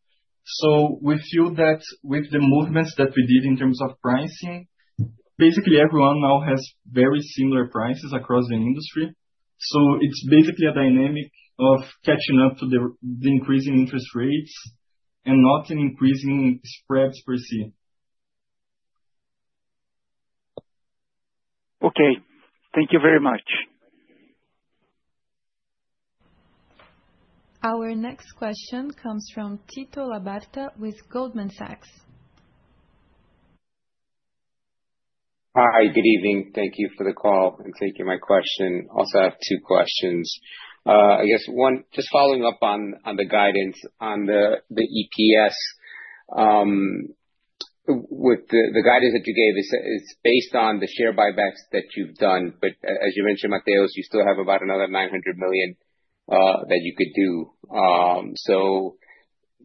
We feel that with the movements that we did in terms of pricing, basically everyone now has very similar prices across the industry. It is basically a dynamic of catching up to the increasing interest rates and not in increasing spreads per se. Okay, thank you very much. Our next question comes from Tito Labarta with Goldman Sachs. Hi, good evening. Thank you for the call and taking my question. Also, I have two questions. I guess one, just following up on the guidance on the EPS, with the guidance that you gave, it is based on the share buybacks that you have done. As you mentioned, Mateus, you still have about another 900 million that you could do.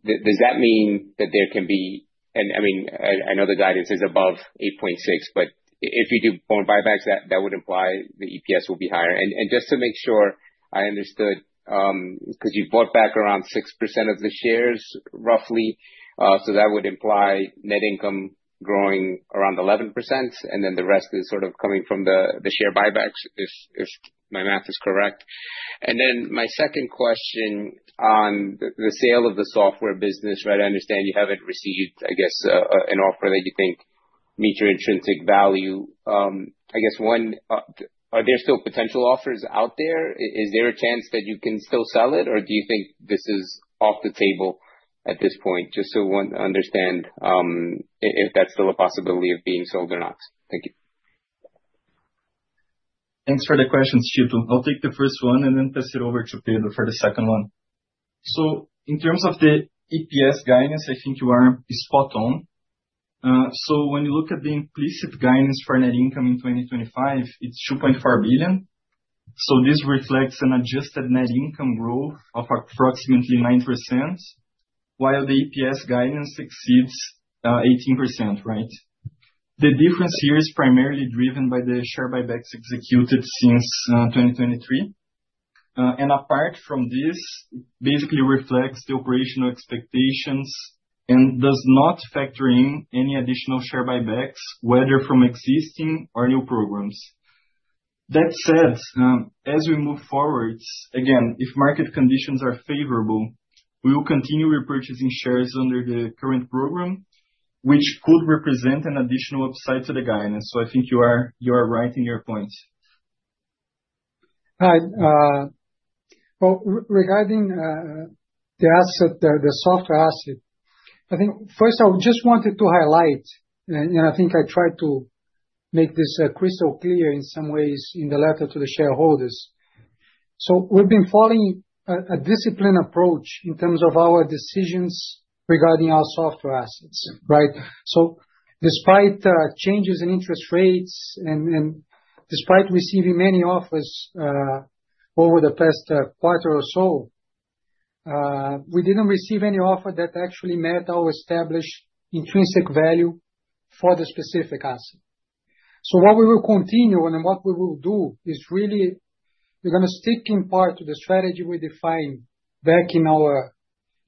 Does that mean that there can be, and I mean, I know the guidance is above 8.6, but if you do more buybacks, that would imply the EPS will be higher. Just to make sure I understood, because you bought back around 6% of the shares roughly, that would imply net income growing around 11%, and then the rest is sort of coming from the share buybacks, if my math is correct. My second question on the sale of the software business, right? I understand you have not received, I guess, an offer that you think meets your intrinsic value. I guess one, are there still potential offers out there? Is there a chance that you can still sell it, or do you think this is off the table at this point? Just to understand if that is still a possibility of being sold or not. Thank you. Thanks for the question, Tito. I'll take the first one and then pass it over to Pedro for the second one. In terms of the EPS guidance, I think you are spot on. When you look at the implicit guidance for net income in 2025, it's 2.4 billion. This reflects an adjusted net income growth of approximately 9%, while the EPS guidance exceeds 18%, right? The difference here is primarily driven by the share buybacks executed since 2023. Apart from this, it basically reflects the operational expectations and does not factor in any additional share buybacks, whether from existing or new programs. That said, as we move forward, if market conditions are favorable, we will continue repurchasing shares under the current program, which could represent an additional upside to the guidance. I think you are right in your point. Hi. Regarding the asset, the software asset, I think first I just wanted to highlight, and I think I tried to make this crystal clear in some ways in the letter to the shareholders. We have been following a disciplined approach in terms of our decisions regarding our software assets, right? Despite changes in interest rates and despite receiving many offers over the past quarter or so, we did not receive any offer that actually met our established intrinsic value for the specific asset. What we will continue and what we will do is really, we are going to stick in part to the strategy we defined back in our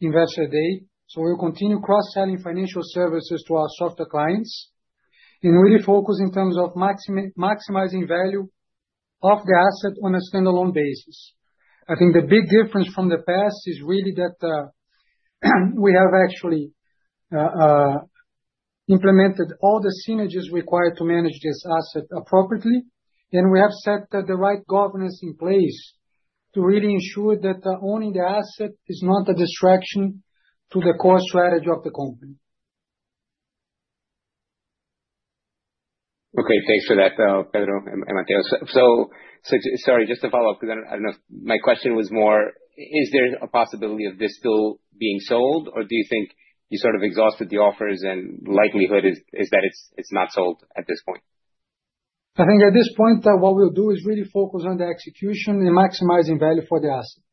investor day. We will continue cross-selling financial services to our software clients and really focus in terms of maximizing value of the asset on a standalone basis. I think the big difference from the past is really that we have actually implemented all the synergies required to manage this asset appropriately, and we have set the right governance in place to really ensure that owning the asset is not a distraction to the core strategy of the company. Okay, thanks for that, Pedro and Mateus. Sorry, just to follow up, because I do not know if my question was more, is there a possibility of this still being sold, or do you think you sort of exhausted the offers and likelihood is that it is not sold at this point? I think at this point, what we will do is really focus on the execution and maximizing value for the asset.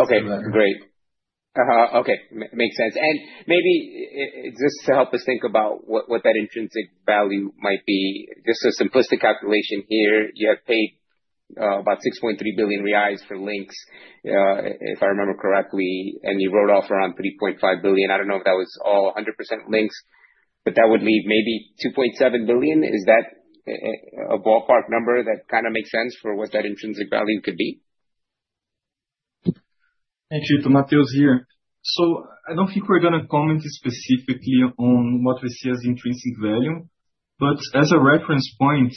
Okay, great. Okay, makes sense. Maybe just to help us think about what that intrinsic value might be, just a simplistic calculation here. You have paid about 6.3 billion reais for Linx, if I remember correctly, and you wrote off around 3.5 billion. I do not know if that was all 100% Linx, but that would leave maybe 2.7 billion. Is that a ballpark number that kind of makes sense for what that intrinsic value could be? Thank you to Mateus here. I do not think we are going to comment specifically on what we see as intrinsic value, but as a reference point,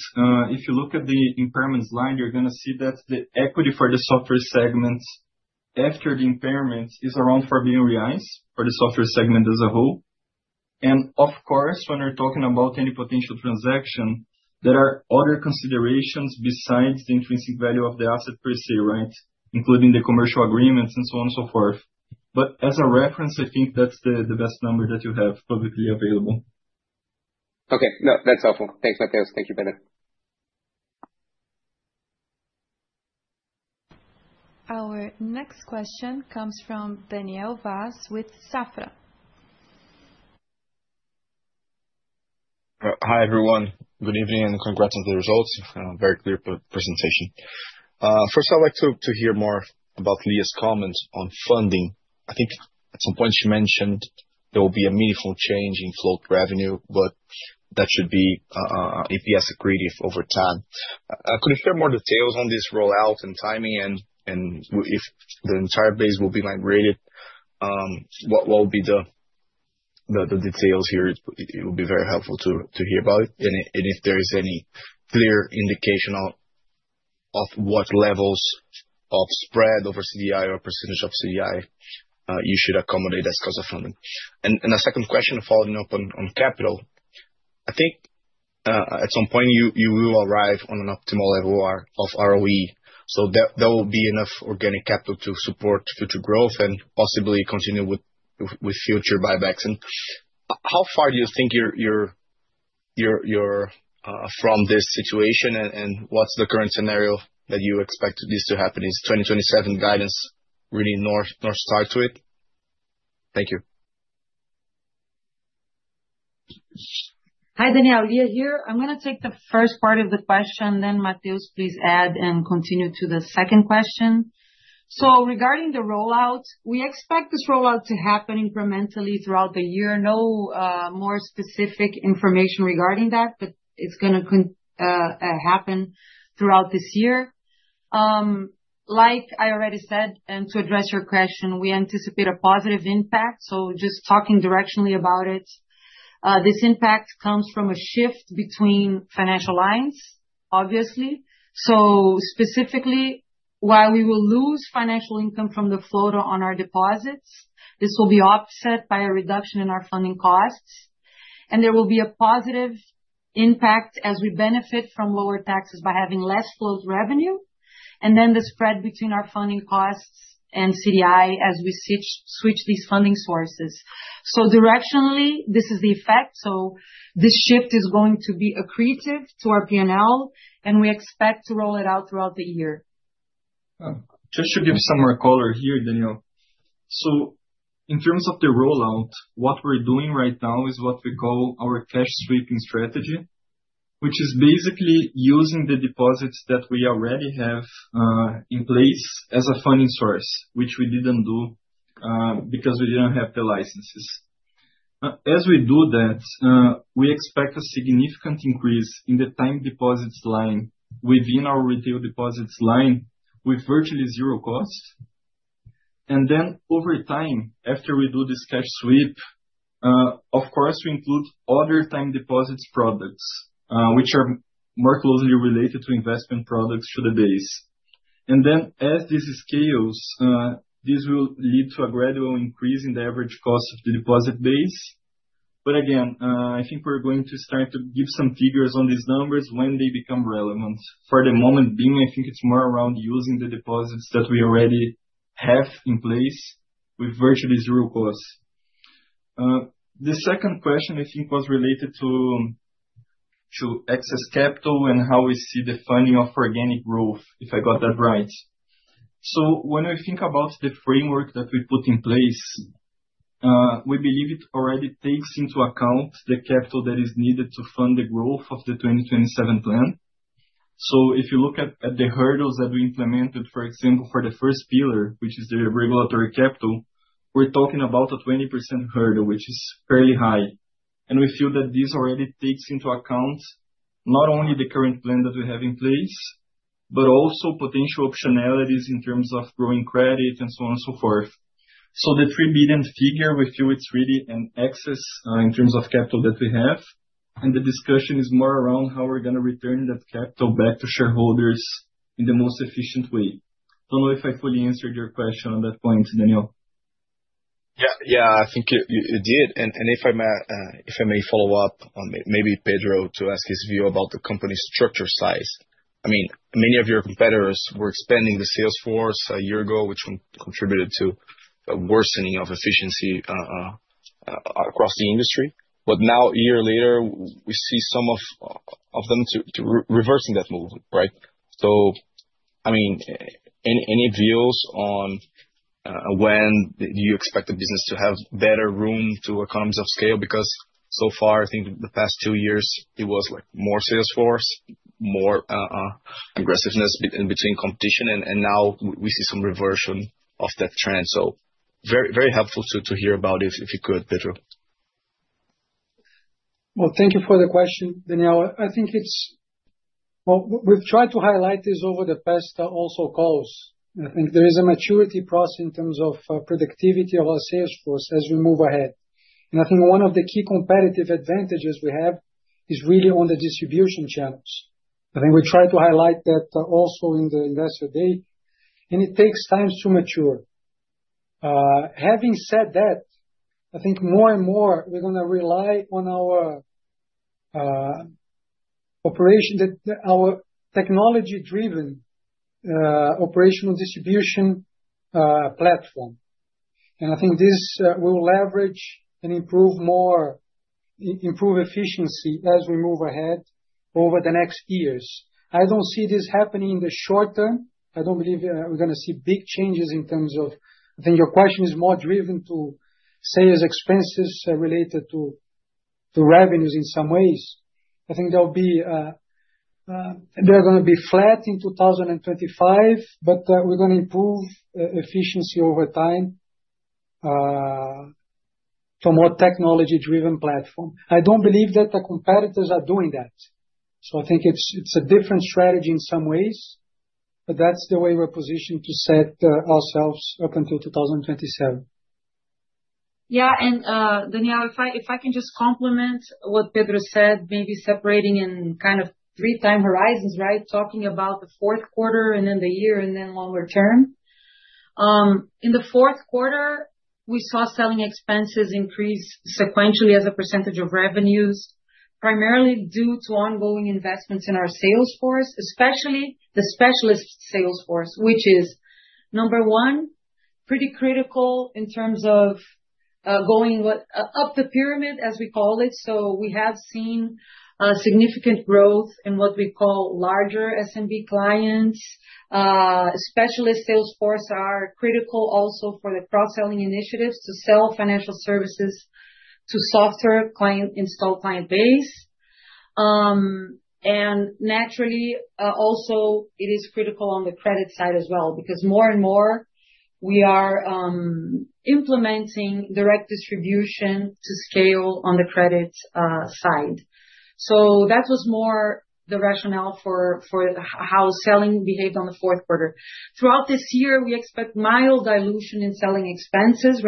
if you look at the impairments line, you are going to see that the equity for the software segment after the impairment is around 4 billion reais for the software segment as a whole. Of course, when we are talking about any potential transaction, there are other considerations besides the intrinsic value of the asset per se, right? Including the commercial agreements and so on and so forth. As a reference, I think that's the best number that you have publicly available. Okay, no, that's helpful. Thanks, Mateus. Thank you, Pedro. Our next question comes from Daniel Vas with Safra. Hi everyone, good evening and congrats on the results. Very clear presentation. First, I'd like to hear more about Lia's comments on funding. I think at some point she mentioned there will be a meaningful change in float revenue, but that should be EPS accretive over time. Could you share more details on this rollout and timing and if the entire base will be migrated? What will be the details here? It will be very helpful to hear about it. If there is any clear indication of what levels of spread over CDI or percentage of CDI you should accommodate as cost of funding. A second question following up on capital, I think at some point you will arrive on an optimal level of ROE. There will be enough organic capital to support future growth and possibly continue with future buybacks. How far do you think you're from this situation and what's the current scenario that you expect this to happen? Is 2027 guidance really north star to it? Thank you. Hi, Daniel, Lia here. I'm going to take the first part of the question, then Mateus, please add and continue to the second question. Regarding the rollout, we expect this rollout to happen incrementally throughout the year. No more specific information regarding that, but it's going to happen throughout this year, like I already said, and to address your question, we anticipate a positive impact. Just talking directionally about it, this impact comes from a shift between financial lines, obviously. Specifically, while we will lose financial income from the float on our deposits, this will be offset by a reduction in our funding costs. There will be a positive impact as we benefit from lower taxes by having less float revenue. The spread between our funding costs and CDI as we switch these funding sources. Directionally, this is the effect. This shift is going to be accretive to our P&L, and we expect to roll it out throughout the year. Just to give some recall here, Daniel. In terms of the rollout, what we're doing right now is what we call our cash sweeping strategy, which is basically using the deposits that we already have in place as a funding source, which we didn't do because we didn't have the licenses. As we do that, we expect a significant increase in the time deposits line within our retail deposits line with virtually zero cost. Over time, after we do this cash sweep, of course, we include other time deposits products, which are more closely related to investment products to the base. As this scales, this will lead to a gradual increase in the average cost of the deposit base. Again, I think we're going to start to give some figures on these numbers when they become relevant. For the moment being, I think it's more around using the deposits that we already have in place with virtually zero cost. The second question, I think, was related to excess capital and how we see the funding of organic growth, if I got that right. When we think about the framework that we put in place, we believe it already takes into account the capital that is needed to fund the growth of the 2027 plan. If you look at the hurdles that we implemented, for example, for the first pillar, which is the regulatory capital, we're talking about a 20% hurdle, which is fairly high. We feel that this already takes into account not only the current plan that we have in place, but also potential optionalities in terms of growing credit and so on and so forth. The 3 billion figure, we feel it's really an excess in terms of capital that we have. The discussion is more around how we're going to return that capital back to shareholders in the most efficient way. Don't know if I fully answered your question on that point, Daniel. Yeah, yeah, I think you did. If I may follow up on maybe Pedro to ask his view about the company's structure size. I mean, many of your competitors were expanding the Salesforce a year ago, which contributed to a worsening of efficiency across the industry. Now, a year later, we see some of them reversing that move, right? I mean, any views on when do you expect the business to have better room to economies of scale? Because so far, I think the past two years, it was more Salesforce, more aggressiveness between competition, and now we see some reversion of that trend. Very helpful to hear about it if you could, Pedro. Thank you for the question, Daniel. I think it's, we've tried to highlight this over the past also calls. I think there is a maturity process in terms of productivity of our Salesforce as we move ahead. I think one of the key competitive advantages we have is really on the distribution channels. I think we tried to highlight that also in the investor day, and it takes time to mature. Having said that, I think more and more we're going to rely on our operation, our technology-driven operational distribution platform. I think this will leverage and improve efficiency as we move ahead over the next years. I don't see this happening in the short term. I don't believe we're going to see big changes in terms of, I think your question is more driven to sales expenses related to revenues in some ways. I think they're going to be flat in 2025, but we're going to improve efficiency over time to a more technology-driven platform. I don't believe that the competitors are doing that. I think it's a different strategy in some ways, but that's the way we're positioned to set ourselves up until 2027. Yeah, and Daniel, if I can just complement what Pedro said, maybe separating in kind of three-time horizons, right? Talking about the fourth quarter and then the year and then longer term. In the fourth quarter, we saw selling expenses increase sequentially as a percentage of revenues, primarily due to ongoing investments in our Salesforce, especially the specialist Salesforce, which is, number one, pretty critical in terms of going up the pyramid, as we call it. We have seen significant growth in what we call larger SMB clients. Specialist Salesforce are critical also for the cross-selling initiatives to sell financial services to software client install client base. Naturally, also it is critical on the credit side as well, because more and more we are implementing direct distribution to scale on the credit side. That was more the rationale for how selling behaved on the fourth quarter. Throughout this year, we expect mild dilution in selling expenses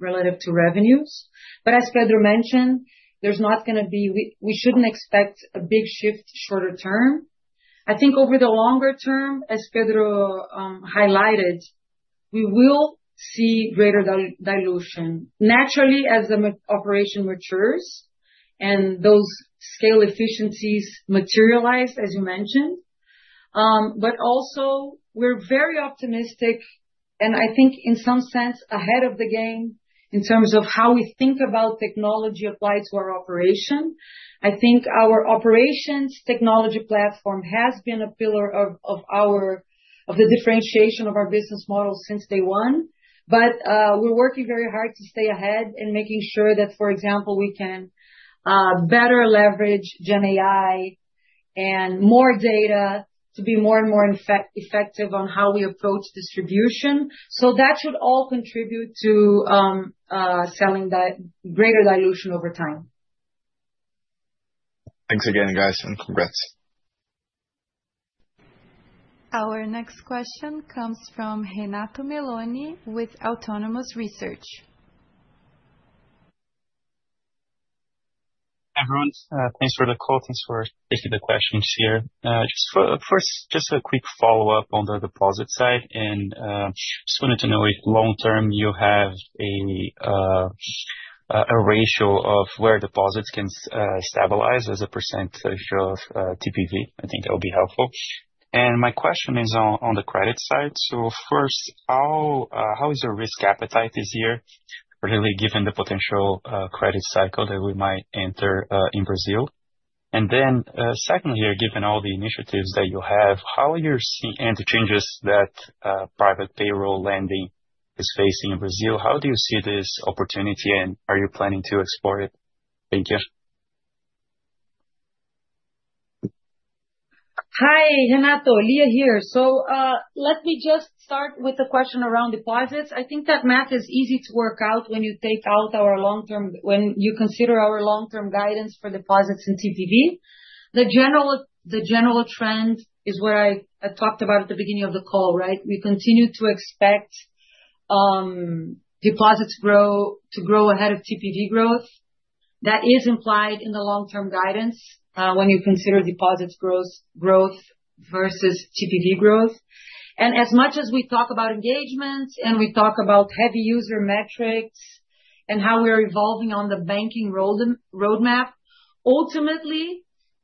relative to revenues. As Pedro mentioned, there is not going to be, we should not expect a big shift shorter term. I think over the longer term, as Pedro highlighted, we will see greater dilution naturally as the operation matures and those scale efficiencies materialize, as you mentioned. We are very optimistic, and I think in some sense ahead of the game in terms of how we think about technology applied to our operation. I think our operations technology platform has been a pillar of the differentiation of our business model since day one. We are working very hard to stay ahead and making sure that, for example, we can better leverage GenAI and more data to be more and more effective on how we approach distribution. That should all contribute to selling that greater dilution over time. Thanks again, guys, and congrats. Our next question comes from Renato Meloni with Autonomous Research. Hi everyone, thanks for the call. Thanks for taking the questions here. Just a quick follow-up on the deposit side, and I just wanted to know if long term you have a ratio of where deposits can stabilize as a percentage of TPV. I think that would be helpful. My question is on the credit side. First, how is your risk appetite this year, particularly given the potential credit cycle that we might enter in Brazil? Second, given all the initiatives that you have, how are you seeing the changes that private payroll lending is facing in Brazil? How do you see this opportunity and are you planning to explore it? Thank you. Hi, Renato, Lia here. Let me just start with the question around deposits. I think that math is easy to work out when you take out our long-term, when you consider our long-term guidance for deposits and TPV. The general trend is what I talked about at the beginning of the call, right? We continue to expect deposits to grow ahead of TPV growth. That is implied in the long-term guidance when you consider deposits' growth versus TPV growth. As much as we talk about engagements and we talk about heavy user metrics and how we're evolving on the banking roadmap, ultimately,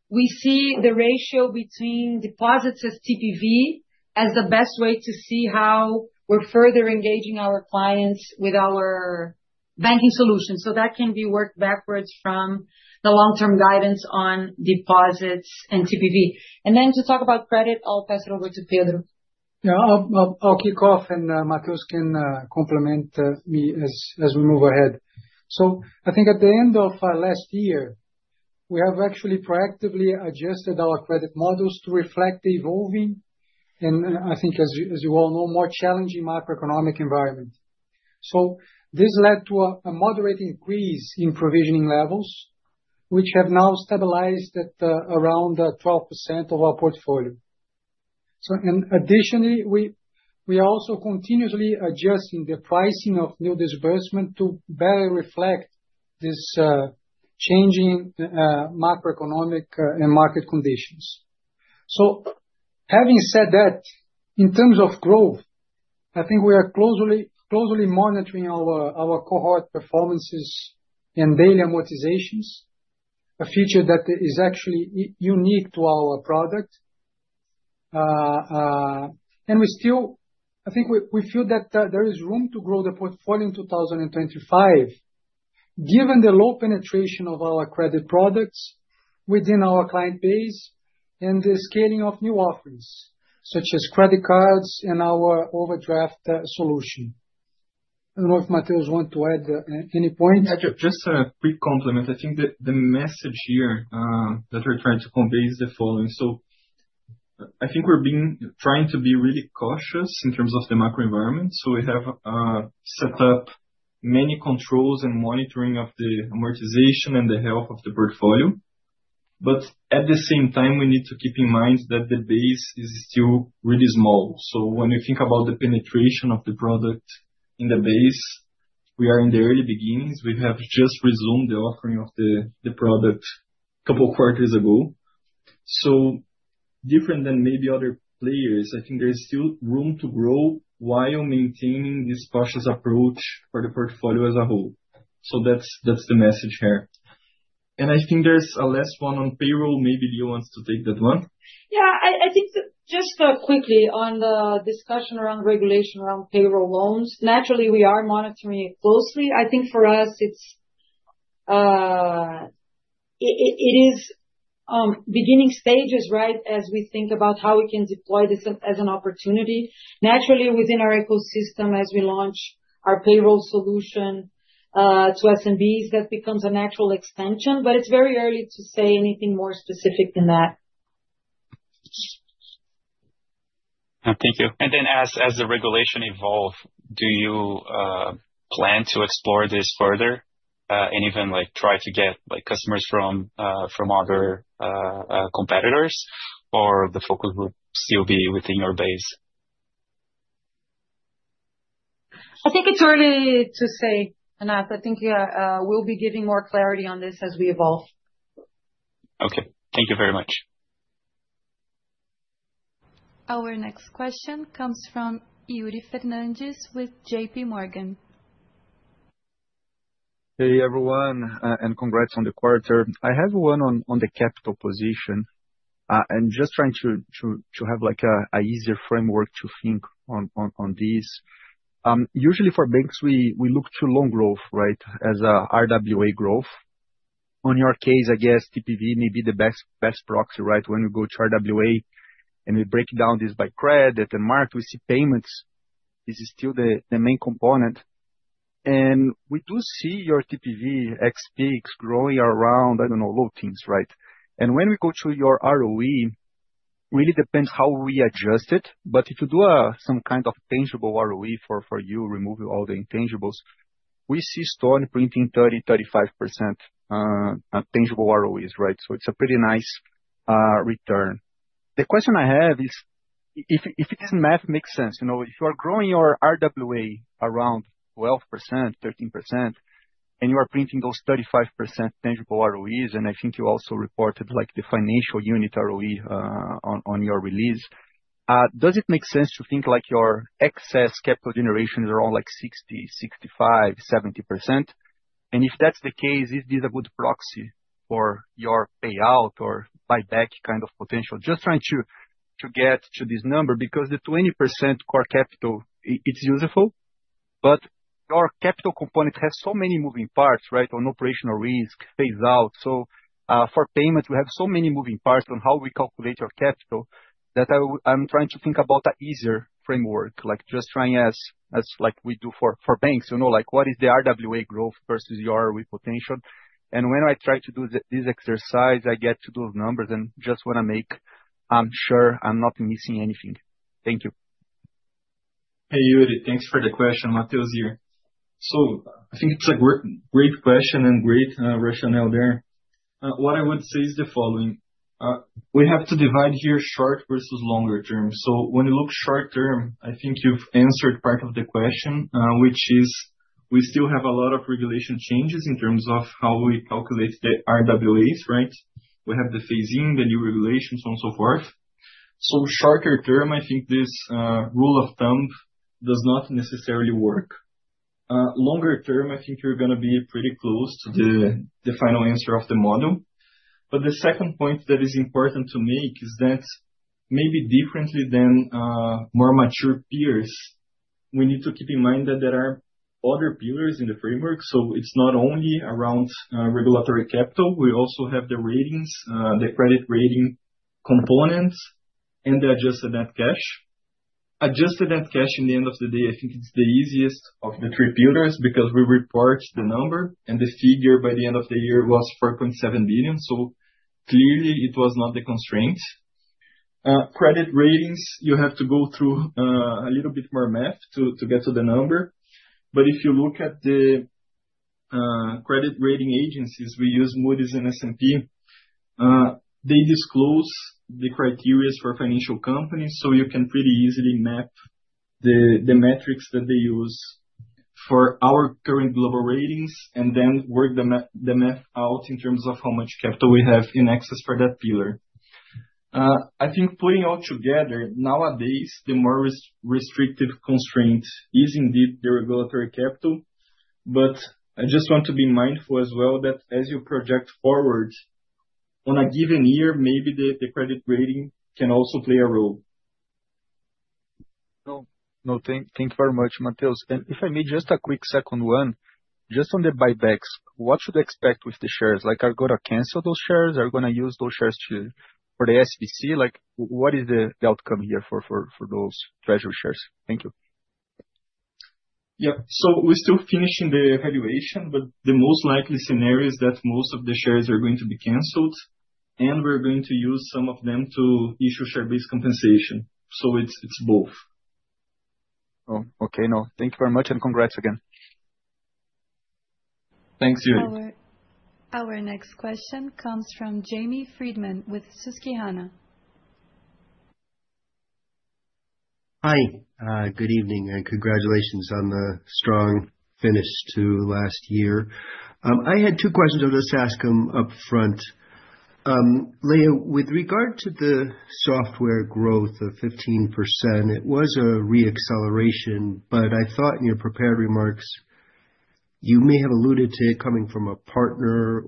we see the ratio between deposits as TPV as the best way to see how we're further engaging our clients with our banking solutions. That can be worked backwards from the long-term guidance on deposits and TPV. To talk about credit, I'll pass it over to Pedro. Yeah, I'll kick off and Mateus can complement me as we move ahead. I think at the end of last year, we have actually proactively adjusted our credit models to reflect the evolving, and I think as you all know, more challenging macroeconomic environment. This led to a moderate increase in provisioning levels, which have now stabilized at around 12% of our portfolio. Additionally, we are also continuously adjusting the pricing of new disbursement to better reflect this changing macroeconomic and market conditions. Having said that, in terms of growth, I think we are closely monitoring our cohort performances and daily amortizations, a feature that is actually unique to our product. We still, I think we feel that there is room to grow the portfolio in 2025, given the low penetration of our credit products within our client base and the scaling of new offerings such as credit cards and our overdraft solution. I do not know if Mateus wants to add any point. Just a quick complement. I think the message here that we are trying to convey is the following. I think we are trying to be really cautious in terms of the macro environment. We have set up many controls and monitoring of the amortization and the health of the portfolio. At the same time, we need to keep in mind that the base is still really small. When you think about the penetration of the product in the base, we are in the early beginnings. We have just resumed the offering of the product a couple of quarters ago. Different than maybe other players, I think there is still room to grow while maintaining this cautious approach for the portfolio as a whole. That is the message here. I think there is a last one on payroll. Maybe Lia wants to take that one. Yeah, I think just quickly on the discussion around regulation around payroll loans. Naturally, we are monitoring it closely. I think for us, it is beginning stages, right, as we think about how we can deploy this as an opportunity. Naturally, within our ecosystem, as we launch our payroll solution to SMBs, that becomes a natural extension, but it's very early to say anything more specific than that. Thank you. As the regulation evolves, do you plan to explore this further and even try to get customers from other competitors, or the focus would still be within your base? I think it's early to say, Renato. I think we'll be giving more clarity on this as we evolve. Okay, thank you very much. Our next question comes from Yuri Fernandes with JP Morgan. Hey, everyone, and congrats on the quarter. I have one on the capital position. I'm just trying to have an easier framework to think on this. Usually, for banks, we look to loan growth, right, as RWA growth. In your case, I guess TPV may be the best proxy, right? When we go to RWA and we break down this by credit and mark, we see payments is still the main component. And we do see your TPV XPX growing around, I don't know, low teens, right? When we go to your ROE, it really depends how we adjust it. If you do some kind of tangible ROE for you, remove all the intangibles, we see Stone printing 30%-35% tangible ROEs, right? It is a pretty nice return. The question I have is if this math makes sense. If you are growing your RWA around 12%, 13%, and you are printing those 35% tangible ROEs, and I think you also reported the financial unit ROE on your release, does it make sense to think your excess capital generation is around 60%, 65%, 70%? If that's the case, is this a good proxy for your payout or buyback kind of potential? Just trying to get to this number because the 20% core capital, it's useful, but your capital component has so many moving parts, right, on operational risk, phase out. For payment, we have so many moving parts on how we calculate your capital that I'm trying to think about an easier framework, just trying as we do for banks, what is the RWA growth versus your ROE potential? When I try to do this exercise, I get to those numbers and just want to make sure I'm not missing anything. Thank you. Hey, Yuri, thanks for the question. Mateus here. I think it's a great question and great rationale there. What I would say is the following. We have to divide here short versus longer term. When you look short term, I think you've answered part of the question, which is we still have a lot of regulation changes in terms of how we calculate the RWAs, right? We have the phasing, the new regulations, and so forth. Shorter term, I think this rule of thumb does not necessarily work. Longer term, I think you're going to be pretty close to the final answer of the model. The second point that is important to make is that maybe differently than more mature peers, we need to keep in mind that there are other pillars in the framework. It is not only around regulatory capital. We also have the ratings, the credit rating components, and the adjusted net cash. Adjusted net cash, in the end of the day, I think it is the easiest of the three pillars because we report the number, and the figure by the end of the year was 4.7 billion. Clearly, it was not the constraint. Credit ratings, you have to go through a little bit more math to get to the number. If you look at the credit rating agencies, we use Moody's and S&P. They disclose the criteria for financial companies, so you can pretty easily map the metrics that they use for our current global ratings and then work the math out in terms of how much capital we have in excess for that pillar. I think putting all together, nowadays, the more restrictive constraint is indeed the regulatory capital. I just want to be mindful as well that as you project forward, on a given year, maybe the credit rating can also play a role. No, thank you very much, Mateus. If I may, just a quick second one, just on the buybacks, what should I expect with the shares? Are we going to cancel those shares? Are we going to use those shares for the SBC? What is the outcome here for those treasury shares? Thank you. Yep. We're still finishing the evaluation, but the most likely scenario is that most of the shares are going to be canceled, and we're going to use some of them to issue share-based compensation. So it's both. Okay, no. Thank you very much, and congrats again. Thanks, Yuri. Our next question comes from Jamie Friedman with Susquehanna. Hi, good evening, and congratulations on the strong finish to last year. I had two questions. I'll just ask them upfront. Lia, with regard to the software growth of 15%, it was a re-acceleration, but I thought in your prepared remarks, you may have alluded to it coming from a partner,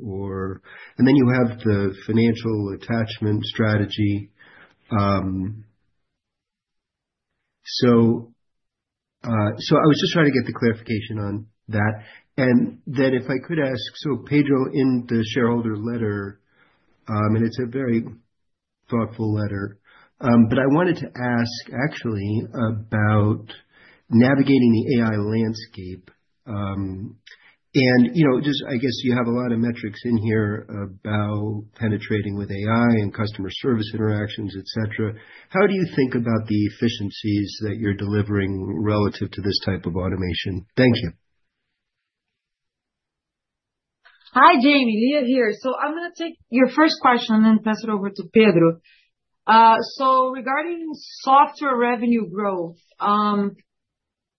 and then you have the financial attachment strategy. I was just trying to get the clarification on that. If I could ask, Pedro, in the shareholder letter, and it is a very thoughtful letter, but I wanted to ask actually about navigating the AI landscape. I guess you have a lot of metrics in here about penetrating with AI and customer service interactions, etc. How do you think about the efficiencies that you are delivering relative to this type of automation? Thank you. Hi, Jamie. Lia here. I am going to take your first question and then pass it over to Pedro. Regarding software revenue growth,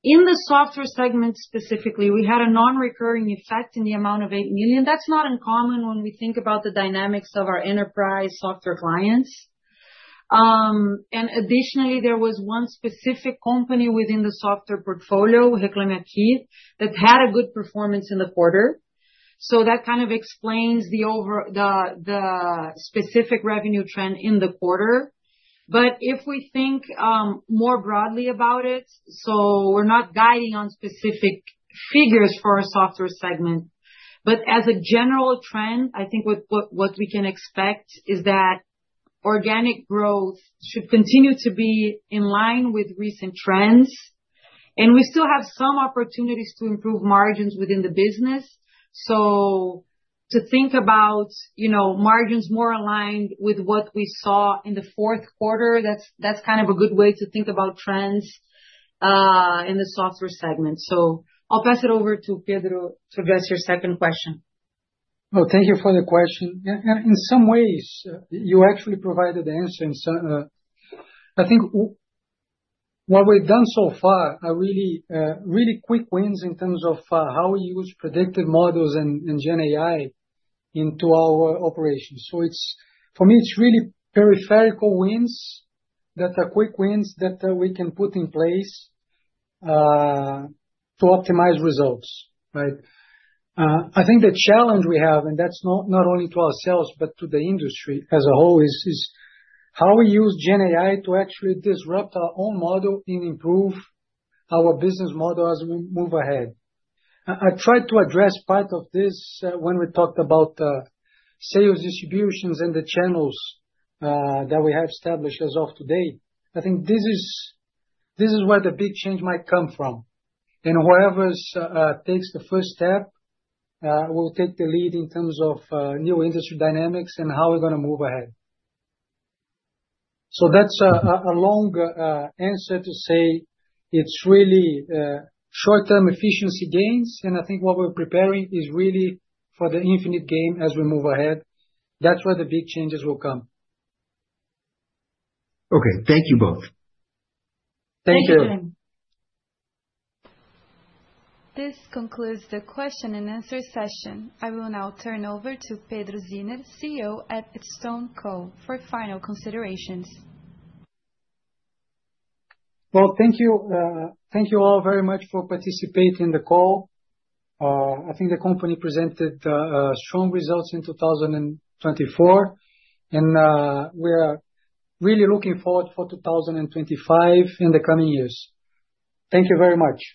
in the software segment specifically, we had a non-recurring effect in the amount of 8 million. That is not uncommon when we think about the dynamics of our enterprise software clients. Additionally, there was one specific company within the software portfolio, Hekla, that had a good performance in the quarter. That kind of explains the specific revenue trend in the quarter. If we think more broadly about it, we are not guiding on specific figures for our software segment, but as a general trend, I think what we can expect is that organic growth should continue to be in line with recent trends. We still have some opportunities to improve margins within the business. To think about margins more aligned with what we saw in the fourth quarter, that is a good way to think about trends in the software segment. I will pass it over to Pedro to address your second question. Thank you for the question. In some ways, you actually provided the answer. I think what we have done so far, really quick wins in terms of how we use predictive models and GenAI into our operations. For me, it's really peripheral wins that are quick wins that we can put in place to optimize results, right? I think the challenge we have, and that's not only to ourselves, but to the industry as a whole, is how we use GenAI to actually disrupt our own model and improve our business model as we move ahead. I tried to address part of this when we talked about sales distributions and the channels that we have established as of today. I think this is where the big change might come from. Whoever takes the first step will take the lead in terms of new industry dynamics and how we're going to move ahead. That's a long answer to say it's really short-term efficiency gains, and I think what we're preparing is really for the infinite game as we move ahead. That's where the big changes will come. Okay, thank you both. Thank you. Thank you. This concludes the question and answer session. I will now turn over to Pedro Zinner, CEO at StoneCo, for final considerations. Thank you all very much for participating in the call. I think the company presented strong results in 2024, and we are really looking forward to 2025 and the coming years. Thank you very much.